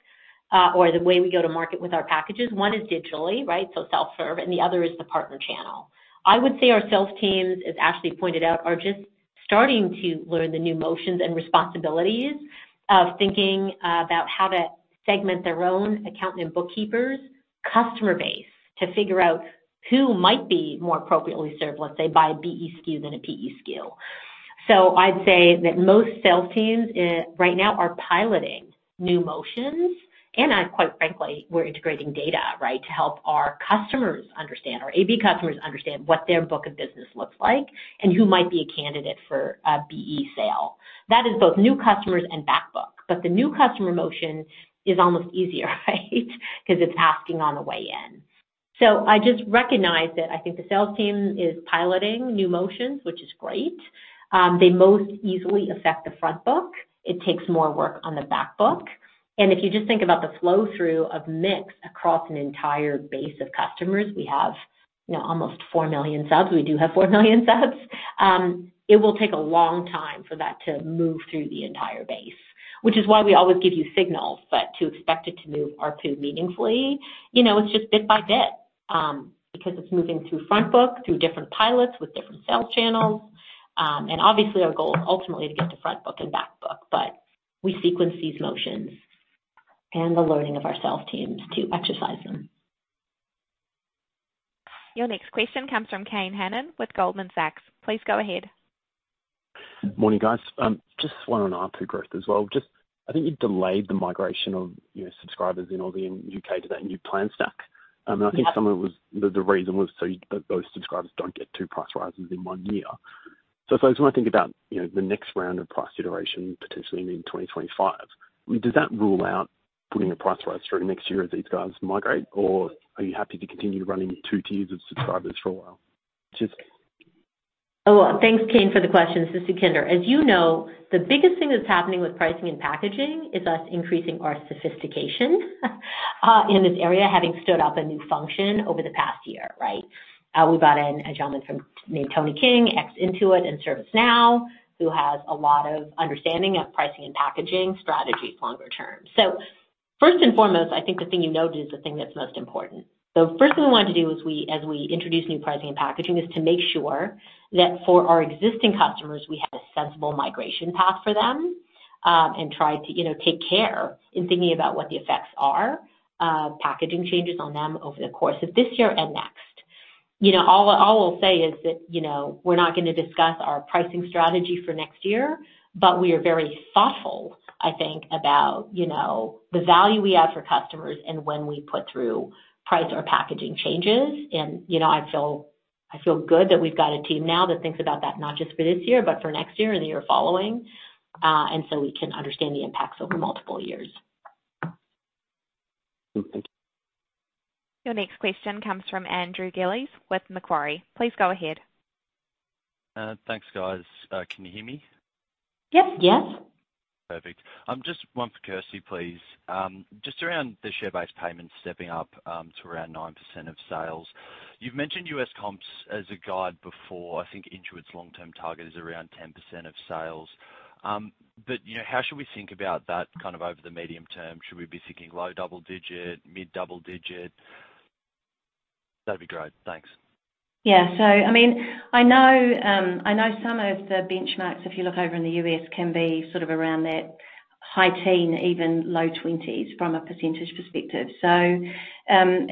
or the way we go to market with our packages, one is digitally, right, so self-serve, and the other is the partner channel. I would say our sales teams, as Ashley pointed out, are just starting to learn the new motions and responsibilities of thinking about how to segment their own accountant and bookkeepers' customer base to figure out who might be more appropriately served, let's say, by a BE SKU than a PE SKU. So I'd say that most sales teams right now are piloting new motions, and quite frankly, we're integrating data, right, to help our customers understand, our AB customers understand, what their book of business looks like and who might be a candidate for a BE sale. That is both new customers and backbook, but the new customer motion is almost easier, right, because it's asking on the way in. So I just recognize that I think the sales team is piloting new motions, which is great. They most easily affect the front book. It takes more work on the backbook. And if you just think about the flow-through of mix across an entire base of customers, we have almost four million subs. We do have four million subs. It will take a long time for that to move through the entire base, which is why we always give you signals, but to expect it to move ARPU meaningfully, it's just bit by bit because it's moving through front book, through different pilots with different sales channels. And obviously, our goal is ultimately to get to front book and backbook, but we sequence these motions and the learning of our sales teams to exercise them. Your next question comes from Kane Hannon with Goldman Sachs. Please go ahead. Morning, guys. Just one on ARPU growth as well. I think you delayed the migration of subscribers in Aussie and UK to that new plan stack. And I think some of the reason was so those subscribers don't get two price rises in one year. So I suppose when I think about the next round of price iteration, potentially in 2025, I mean, does that rule out putting a price rise through next year as these guys migrate, or are you happy to continue running two tiers of subscribers for a while? Just. Oh, thanks, Kane, for the question. This is Sukhinder. As you know, the biggest thing that's happening with pricing and packaging is us increasing our sophistication in this area, having stood up a new function over the past year, right? We brought in a gentleman named Tony King, ex-Intuit and ServiceNow, who has a lot of understanding of pricing and packaging strategies longer term. First and foremost, I think the thing you noted is the thing that's most important. The first thing we wanted to do as we introduced new pricing and packaging is to make sure that for our existing customers, we had a sensible migration path for them and tried to take care in thinking about what the effects are, packaging changes on them over the course of this year and next. All I'll say is that we're not going to discuss our pricing strategy for next year, but we are very thoughtful, I think, about the value we add for customers and when we put through price or packaging changes, and I feel good that we've got a team now that thinks about that not just for this year, but for next year and the year following, and so we can understand the impacts over multiple years. Thank you. Your next question comes from Andrew Gillies with Macquarie. Please go ahead. Thanks, guys. Can you hear me? Yep. Yes. Perfect. Just one for Kirsty, please. Just around the share-based payments stepping up to around 9% of sales. You've mentioned US comps as a guide before. I think Intuit's long-term target is around 10% of sales. But how should we think about that kind of over the medium term? Should we be thinking low double-digit, mid-double-digit? That'd be great. Thanks. Yeah. So, I mean, I know some of the benchmarks, if you look over in the US, can be sort of around that high teen, even low twenties from a percentage perspective. So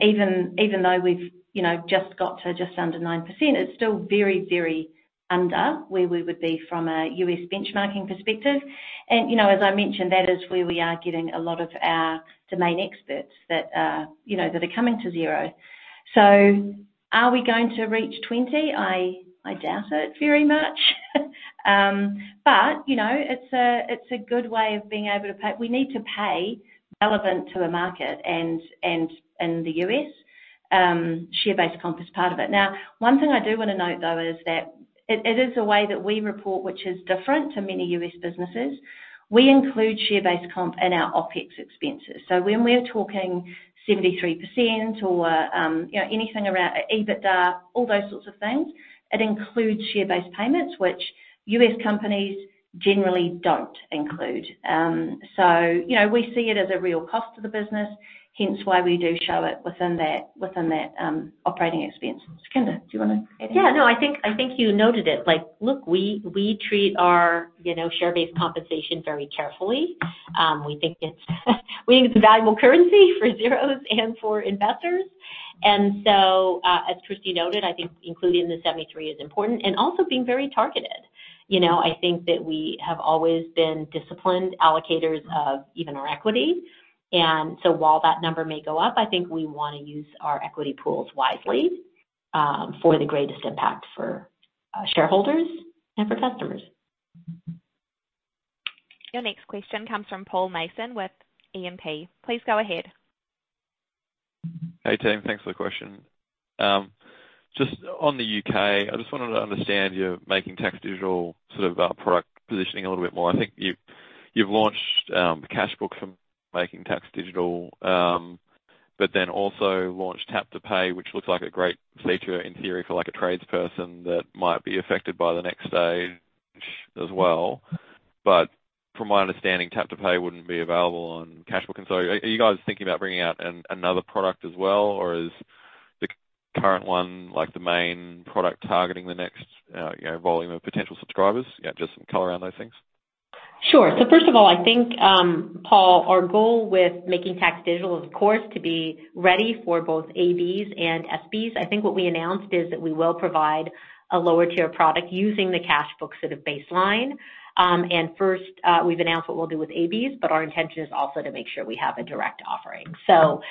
even though we've just got to just under 9%, it's still very, very under where we would be from a US benchmarking perspective. And as I mentioned, that is where we are getting a lot of our domain experts that are coming to Xero. So are we going to reach 20? I doubt it very much. But it's a good way of being able to pay. We need to pay relevant to a market, and in the US, share-based comp is part of it. Now, one thing I do want to note, though, is that it is a way that we report, which is different to many US businesses. We include share-based comp in our OpEx expenses. So when we're talking 73% or anything around EBITDA, all those sorts of things, it includes share-based payments, which US companies generally don't include. So we see it as a real cost to the business, hence why we do show it within that operating expense. Sukhinder, do you want to add anything? Yeah. No, I think you noted it. Look, we treat our share-based compensation very carefully. We think it's a valuable currency for Xero's and for investors. And so, as Kirsty noted, I think including the 73% is important and also being very targeted. I think that we have always been disciplined allocators of even our equity. And so while that number may go up, I think we want to use our equity pools wisely for the greatest impact for shareholders and for customers. Your next question comes from Paul Mason with E&P. Please go ahead. Hey, team. Thanks for the question. Just on the UK, I just wanted to understand your Making Tax Digital sort of product positioning a little bit more. I think you've launched Cashbook for Making Tax Digital, but then also launched Tap to Pay, which looks like a great feature in theory for a tradesperson that might be affected by the next stage as well. But from my understanding, Tap to Pay wouldn't be available on Cashbook. And so are you guys thinking about bringing out another product as well, or is the current one the main product targeting the next volume of potential subscribers? Just some color around those things. Sure. So first of all, I think, Paul, our goal with Making Tax Digital is, of course, to be ready for both ABs and SBs. I think what we announced is that we will provide a lower-tier product using the Cashbook sort of baseline. And first, we've announced what we'll do with ABs, but our intention is also to make sure we have a direct offering. So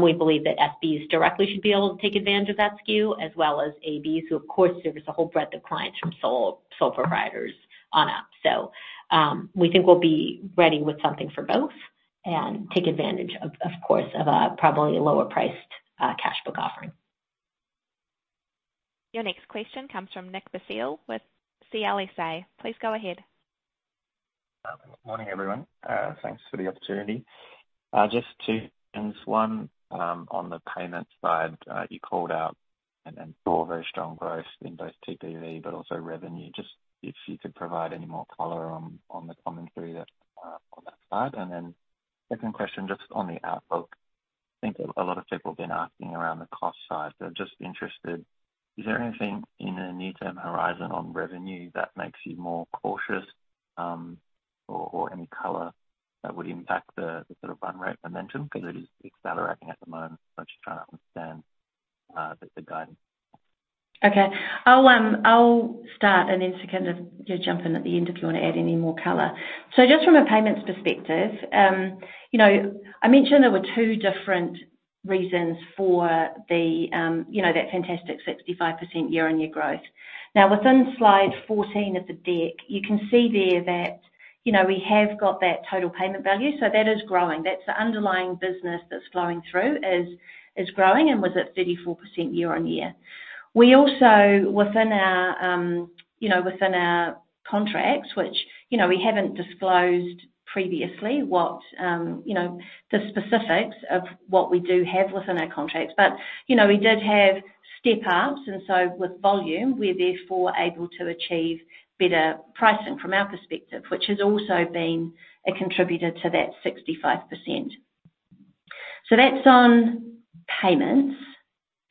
we believe that SBs directly should be able to take advantage of that SKU, as well as ABs, who, of course, service a whole breadth of clients from sole proprietors on up. So we think we'll be ready with something for both and take advantage, of course, of a probably lower-priced Cashbook offering. Your next question comes from Nick Basile with CLSA. Please go ahead. Morning, everyone. Thanks for the opportunity. Just two things. One, on the payment side, you called out and saw very strong growth in both TPV, but also revenue. Just if you could provide any more color on the commentary on that side. And then second question, just on the outlook, I think a lot of people have been asking around the cost side. They're just interested. Is there anything in the near-term horizon on revenue that makes you more cautious or any color that would impact the sort of run rate momentum? Because it is accelerating at the moment. I'm just trying to understand the guidance. Okay. I'll start, and then Sukhinder can jump in at the end if you want to add any more color. So just from a payments perspective, I mentioned there were two different reasons for that fantastic 65% year-on-year growth. Now, within slide 14 of the deck, you can see there that we have got that total payment volume. So that is growing. That's the underlying business that's flowing through is growing, and was at 34% year-on-year. We also, within our contracts, which we haven't disclosed previously what the specifics of what we do have within our contracts, but we did have step-ups. And so with volume, we're therefore able to achieve better pricing from our perspective, which has also been a contributor to that 65%. So that's on payments.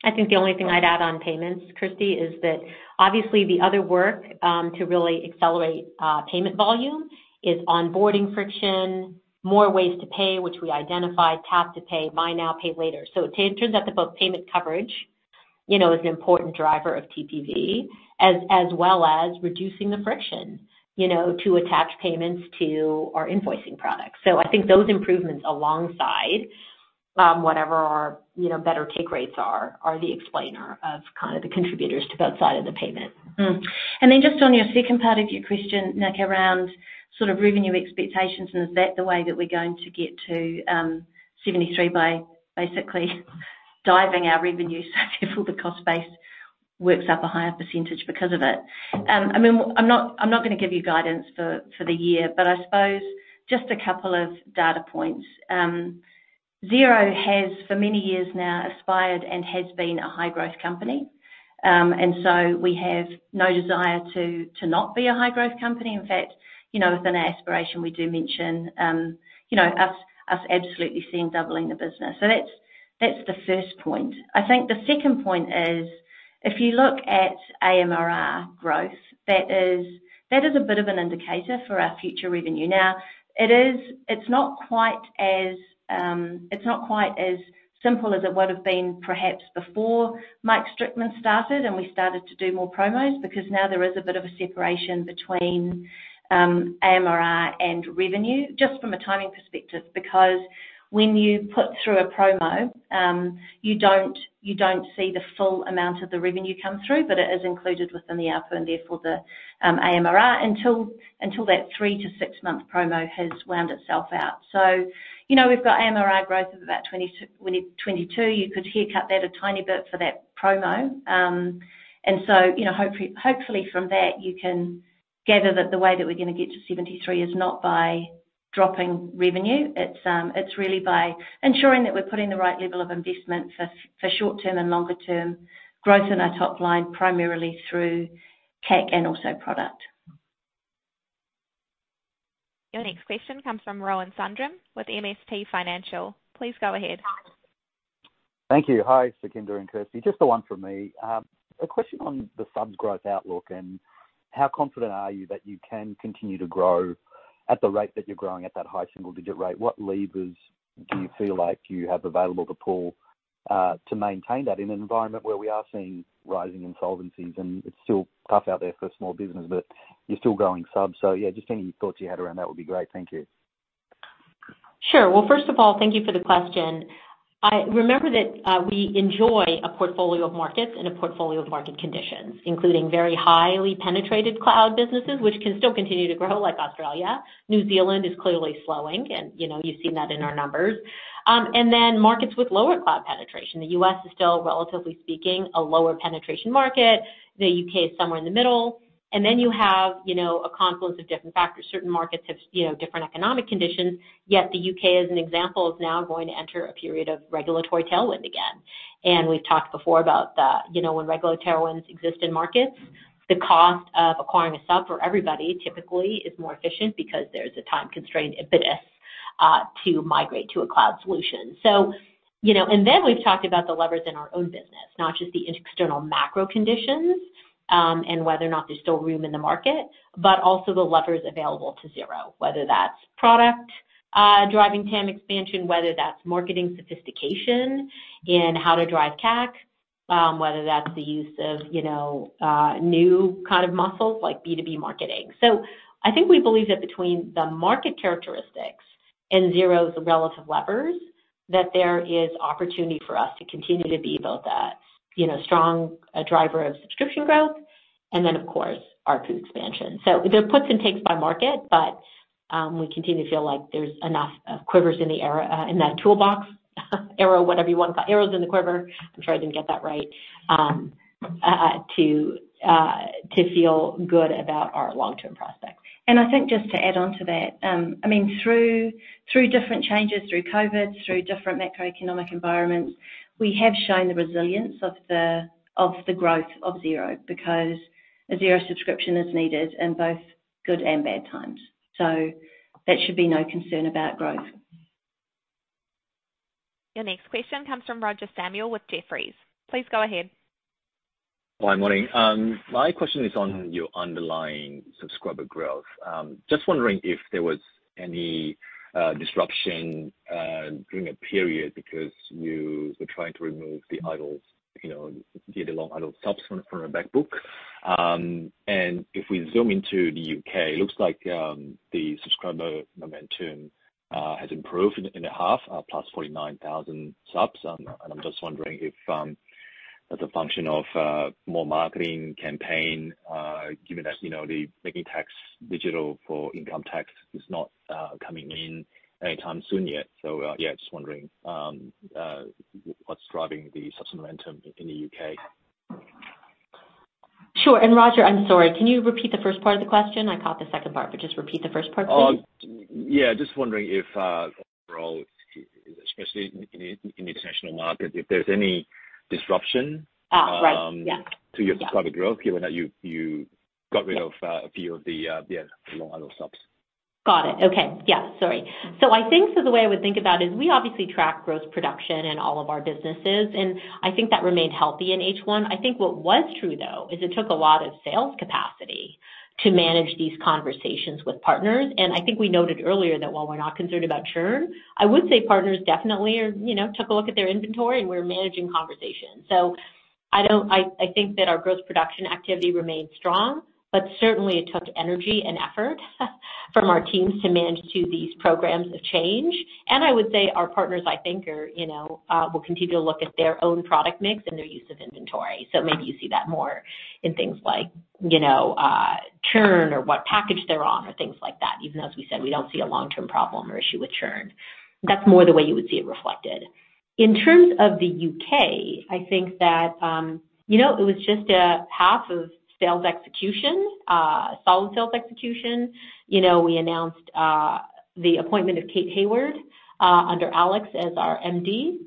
I think the only thing I'd add on payments, Kirsty, is that obviously the other work to really accelerate payment volume is onboarding friction, more ways to pay, which we identified, Tap to Pay, buy now, pay later. So it turns out that both payment coverage is an important driver of TPV, as well as reducing the friction to attach payments to our invoicing products. So I think those improvements alongside whatever our better take rates are the explanation for kind of the contributors to both sides of the equation. And then just on your second part of your question, Nick, around sort of revenue expectations, and is that the way that we're going to get to 73 by basically driving our revenue so therefore the cost base works up a higher percentage because of it? I mean, I'm not going to give you guidance for the year, but I suppose just a couple of data points. Xero has, for many years now, aspired and has been a high-growth company. And so we have no desire to not be a high-growth company. In fact, within our aspiration, we do mention us absolutely seeing doubling the business. So that's the first point. I think the second point is, if you look at AMRR growth, that is a bit of an indicator for our future revenue. Now, it's not quite as simple as it would have been perhaps before Mike Strickman started and we started to do more promos because now there is a bit of a separation between AMRR and revenue, just from a timing perspective, because when you put through a promo, you don't see the full amount of the revenue come through, but it is included within the output and therefore the AMRR until that three- to six-month promo has wound itself out. So we've got AMRR growth of about 22%. You could haircut that a tiny bit for that promo. And so hopefully from that, you can gather that the way that we're going to get to 73 is not by dropping revenue. It's really by ensuring that we're putting the right level of investment for short-term and longer-term growth in our top line primarily through CAC and also product. Your next question comes from Rowan Sundrum with MST Financial. Please go ahead. Thank you. Hi, Sukhinder and Kirsty. Just the one from me. A question on the subs' growth outlook and how confident are you that you can continue to grow at the rate that you're growing at that high single-digit rate? What levers do you feel like you have available to pull to maintain that in an environment where we are seeing rising insolvencies and it's still tough out there for small business, but you're still growing subs? So yeah, just any thoughts you had around that would be great. Thank you. Sure. Well, first of all, thank you for the question. I remember that we enjoy a portfolio of markets and a portfolio of market conditions, including very highly penetrated cloud businesses, which can still continue to grow like Australia. New Zealand is clearly slowing, and you've seen that in our numbers. And then markets with lower cloud penetration. The U.S. is still, relatively speaking, a lower penetration market. The U.K. is somewhere in the middle. And then you have a confluence of different factors. Certain markets have different economic conditions, yet the U.K., as an example, is now going to enter a period of regulatory tailwind again. And we've talked before about that. When regulatory tailwinds exist in markets, the cost of acquiring a sub for everybody typically is more efficient because there's a time-constrained impetus to migrate to a cloud solution. And then we've talked about the levers in our own business, not just the external macro conditions and whether or not there's still room in the market, but also the levers available to Xero, whether that's product driving TAM expansion, whether that's marketing sophistication in how to drive CAC, whether that's the use of new kind of muscles like B2B marketing. So I think we believe that between the market characteristics and Xero's relative levers, that there is opportunity for us to continue to be both a strong driver of subscription growth and then, of course, our expansion. So there are puts and takes by market, but we continue to feel like there's enough quivers in that toolbox, arrow, whatever you want to call it, arrows in the quiver. I'm sure I didn't get that right, to feel good about our long-term prospects. And I think just to add on to that, I mean, through different changes, through COVID, through different macroeconomic environments, we have shown the resilience of the growth of Xero because a Xero subscription is needed in both good and bad times. So that should be no concern about growth. Your next question comes from Roger Samuel with Jefferies. Please go ahead. Hi, morning. My question is on your underlying subscriber growth. Just wondering if there was any disruption during a period because you were trying to remove the idles, the long idle subs from the backbook. If we zoom into the U.K., it looks like the subscriber momentum has improved in the half, +49,000 subs. And I'm just wondering if that's a function of more marketing campaign, given that the Making Tax Digital for Income Tax is not coming in anytime soon yet. So yeah, just wondering what's driving the subs momentum in the U.K. Sure. And Roger, I'm sorry. Can you repeat the first part of the question? I caught the second part, but just repeat the first part, please. Yeah. Just wondering if, especially in international markets, if there's any disruption to your subscriber growth, given that you got rid of a few of the long idle subs. Got it. Okay. Yeah. Sorry. So I think the way I would think about it is we obviously track growth production in all of our businesses, and I think that remained healthy in H1. I think what was true, though, is it took a lot of sales capacity to manage these conversations with partners, and I think we noted earlier that while we're not concerned about churn, I would say partners definitely took a look at their inventory and we're managing conversations, so I think that our growth production activity remained strong, but certainly it took energy and effort from our teams to manage these programs of change, and I would say our partners, I think, will continue to look at their own product mix and their use of inventory, so maybe you see that more in things like churn or what package they're on or things like that, even though, as we said, we don't see a long-term problem or issue with churn. That's more the way you would see it reflected. In terms of the U.K., I think that it was just half of sales execution, solid sales execution. We announced the appointment of Kate Hayward under Alex as our MD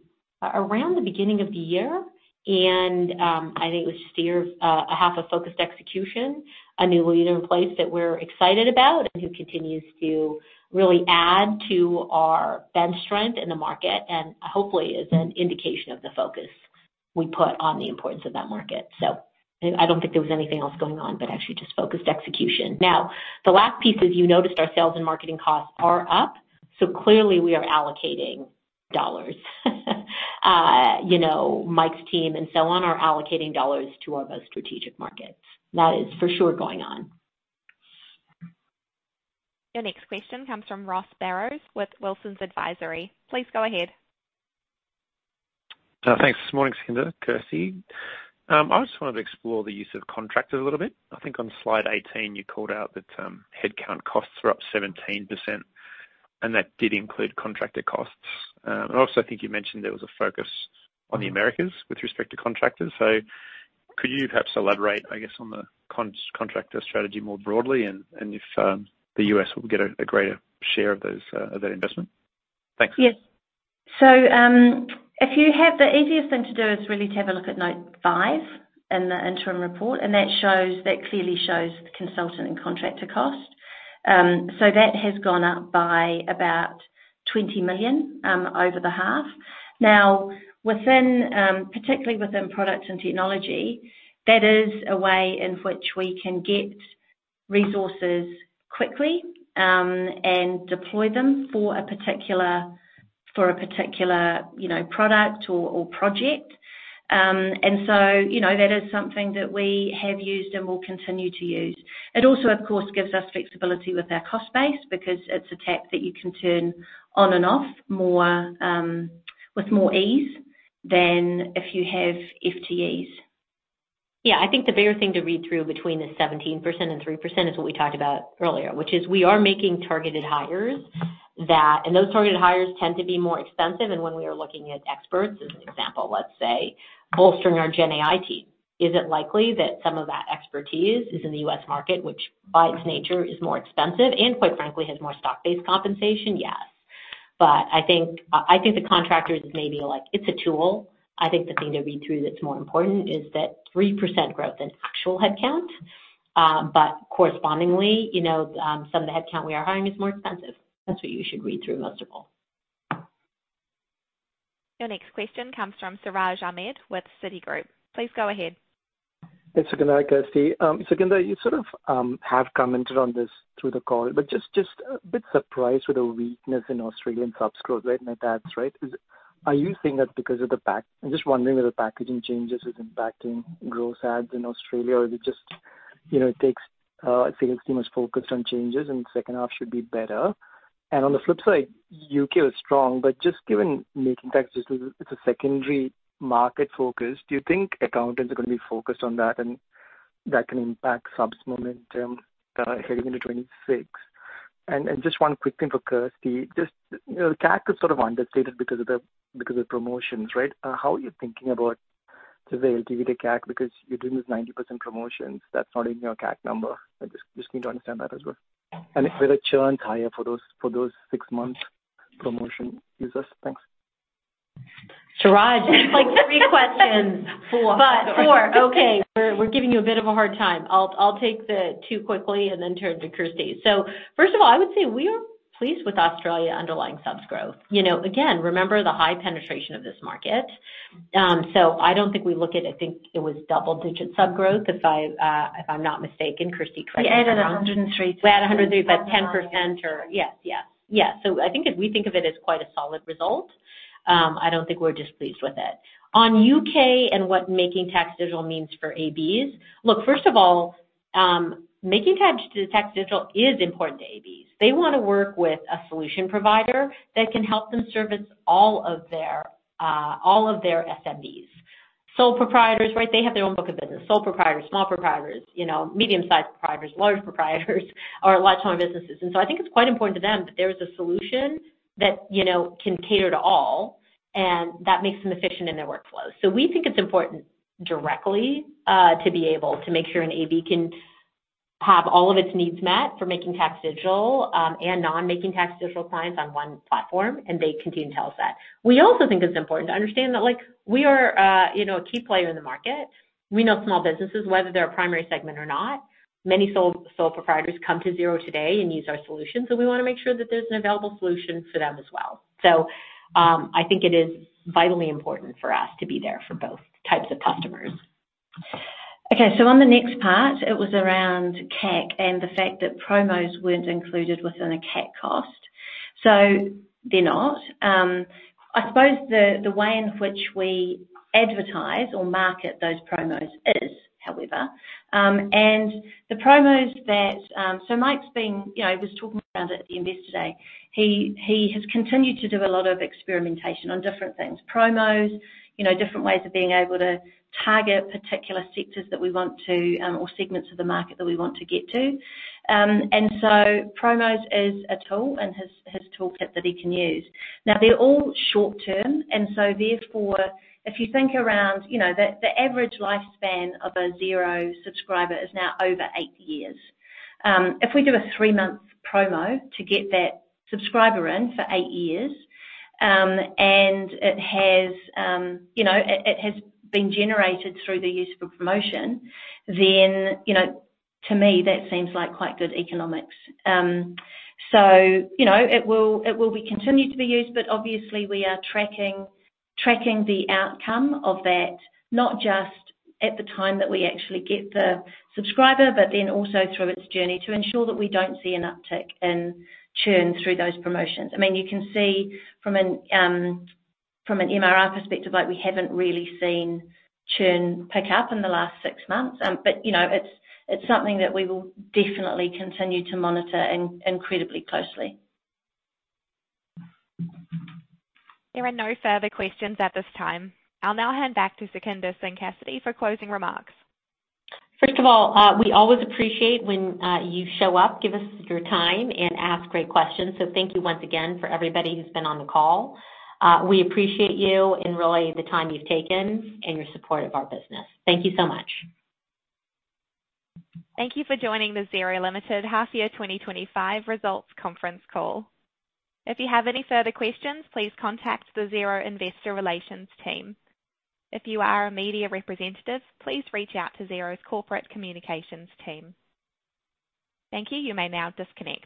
around the beginning of the year. And I think it was just a half of focused execution, a new leader in place that we're excited about and who continues to really add to our bench strength in the market and hopefully is an indication of the focus we put on the importance of that market. So I don't think there was anything else going on, but actually just focused execution. Now, the last piece is you noticed our sales and marketing costs are up. So clearly we are allocating dollars. Mike's team and so on are allocating dollars to our most strategic markets. That is for sure going on. Your next question comes from Ross Barrows with Wilsons Advisory. Please go ahead. Thanks. Morning, Sukhinder. Kirsty, I just wanted to explore the use of contractors a little bit. I think on slide 18, you called out that headcount costs were up 17%, and that did include contractor costs. And I also think you mentioned there was a focus on the Americas with respect to contractors. So could you perhaps elaborate, I guess, on the contractor strategy more broadly and if the US will get a greater share of that investment? Thanks. Yes. So if you have the easiest thing to do is really to have a look at note five in the interim report, and that clearly shows the consultant and contractor cost. So that has gone up by about 20 million over the half. Now, particularly within products and technology, that is a way in which we can get resources quickly and deploy them for a particular product or project. And so that is something that we have used and will continue to use. It also, of course, gives us flexibility with our cost base because it's a tap that you can turn on and off with more ease than if you have FTEs. Yeah. I think the bigger thing to read through between the 17% and 3% is what we talked about earlier, which is we are making targeted hires, and those targeted hires tend to be more expensive. And when we are looking at experts, as an example, let's say, bolstering our GenAI team, is it likely that some of that expertise is in the US market, which by its nature is more expensive and, quite frankly, has more stock-based compensation? Yes. But I think the contractors may be like, "It's a tool." I think the thing to read through that's more important is that 3% growth in actual headcount, but correspondingly, some of the headcount we are hiring is more expensive. That's what you should read through most of all. Your next question comes from Siraj Ahmed with Citigroup. Please go ahead. Thanks, Sukhinder, Kirsty. Sukhinder, you sort of have commented on this through the call, but just a bit surprised with the weakness in Australian subs growth, right? And that's right. Are you seeing that because of the pack? I'm just wondering whether packaging changes is impacting gross ads in Australia, or is it just it takes sales teams focused on changes, and the second half should be better? And on the flip side, U.K. was strong, but just given Making Tax is a secondary market focus, do you think accountants are going to be focused on that, and that can impact subs momentum heading into 2026? And just one quick thing for Kirsty. Just CAC is sort of understated because of the promotions, right? How are you thinking about the LTV to CAC because you're doing this 90% promotions? That's not in your CAC number. I just need to understand that as well. And were the churns higher for those six-month promotion users? Thanks. Siraj, just like three questions. Four. Four. Okay. We're giving you a bit of a hard time. I'll take the two quickly and then turn to Kirsty. So first of all, I would say we are pleased with Australia's underlying subs growth. Again, remember the high penetration of this market. I don't think we look at it. I think it was double-digit sub growth, if I'm not mistaken. Kirsty, correct me if I'm wrong. We had 103. We had 103, but 10% or yes, yes. Yeah. I think if we think of it as quite a solid result, I don't think we're displeased with it. On the UK and what Making Tax Digital means for ABs, look, first of all, Making Tax Digital is important to ABs. They want to work with a solution provider that can help them service all of their SMBs. Sole proprietors, right? They have their own book of business. Sole proprietors, small proprietors, medium-sized proprietors, large proprietors, or large-scale businesses. I think it's quite important to them that there is a solution that can cater to all, and that makes them efficient in their workflow. We think it's important directly to be able to make sure an AB can have all of its needs met for Making Tax Digital and non-Making Tax Digital clients on one platform, and they continue to tell us that. We also think it's important to understand that we are a key player in the market. We know small businesses, whether they're a primary segment or not. Many sole proprietors come to Xero today and use our solutions, and we want to make sure that there's an available solution for them as well. I think it is vitally important for us to be there for both types of customers. Okay. On the next part, it was around CAC and the fact that promos weren't included within a CAC cost. They're not. I suppose the way in which we advertise or market those promos is, however. And the promos that Mike's been. He was talking about it at the investor day. He has continued to do a lot of experimentation on different things, promos, different ways of being able to target particular sectors that we want to or segments of the market that we want to get to. And so promos is a tool in his toolkit that he can use. Now, they're all short-term, and so therefore, if you think around the average lifespan of a Xero subscriber is now over eight years. If we do a three-month promo to get that subscriber in for eight years, and it has been generated through the use of a promotion, then to me, that seems like quite good economics. So it will be continued to be used, but obviously, we are tracking the outcome of that, not just at the time that we actually get the subscriber, but then also through its journey to ensure that we don't see an uptick in churn through those promotions. I mean, you can see from an MRR perspective, we haven't really seen churn pick up in the last six months, but it's something that we will definitely continue to monitor incredibly closely. There are no further questions at this time. I'll now hand back to Sukhinder Singh Cassidy for closing remarks. First of all, we always appreciate when you show up, give us your time, and ask great questions. So thank you once again for everybody who's been on the call. We appreciate you and really the time you've taken and your support of our business. Thank you so much. Thank you for joining the Xero Limited Half Year 2025 Results Conference Call. If you have any further questions, please contact the Xero Investor Relations Team. If you are a media representative, please reach out to Xero's Corporate Communications Team. Thank you. You may now disconnect.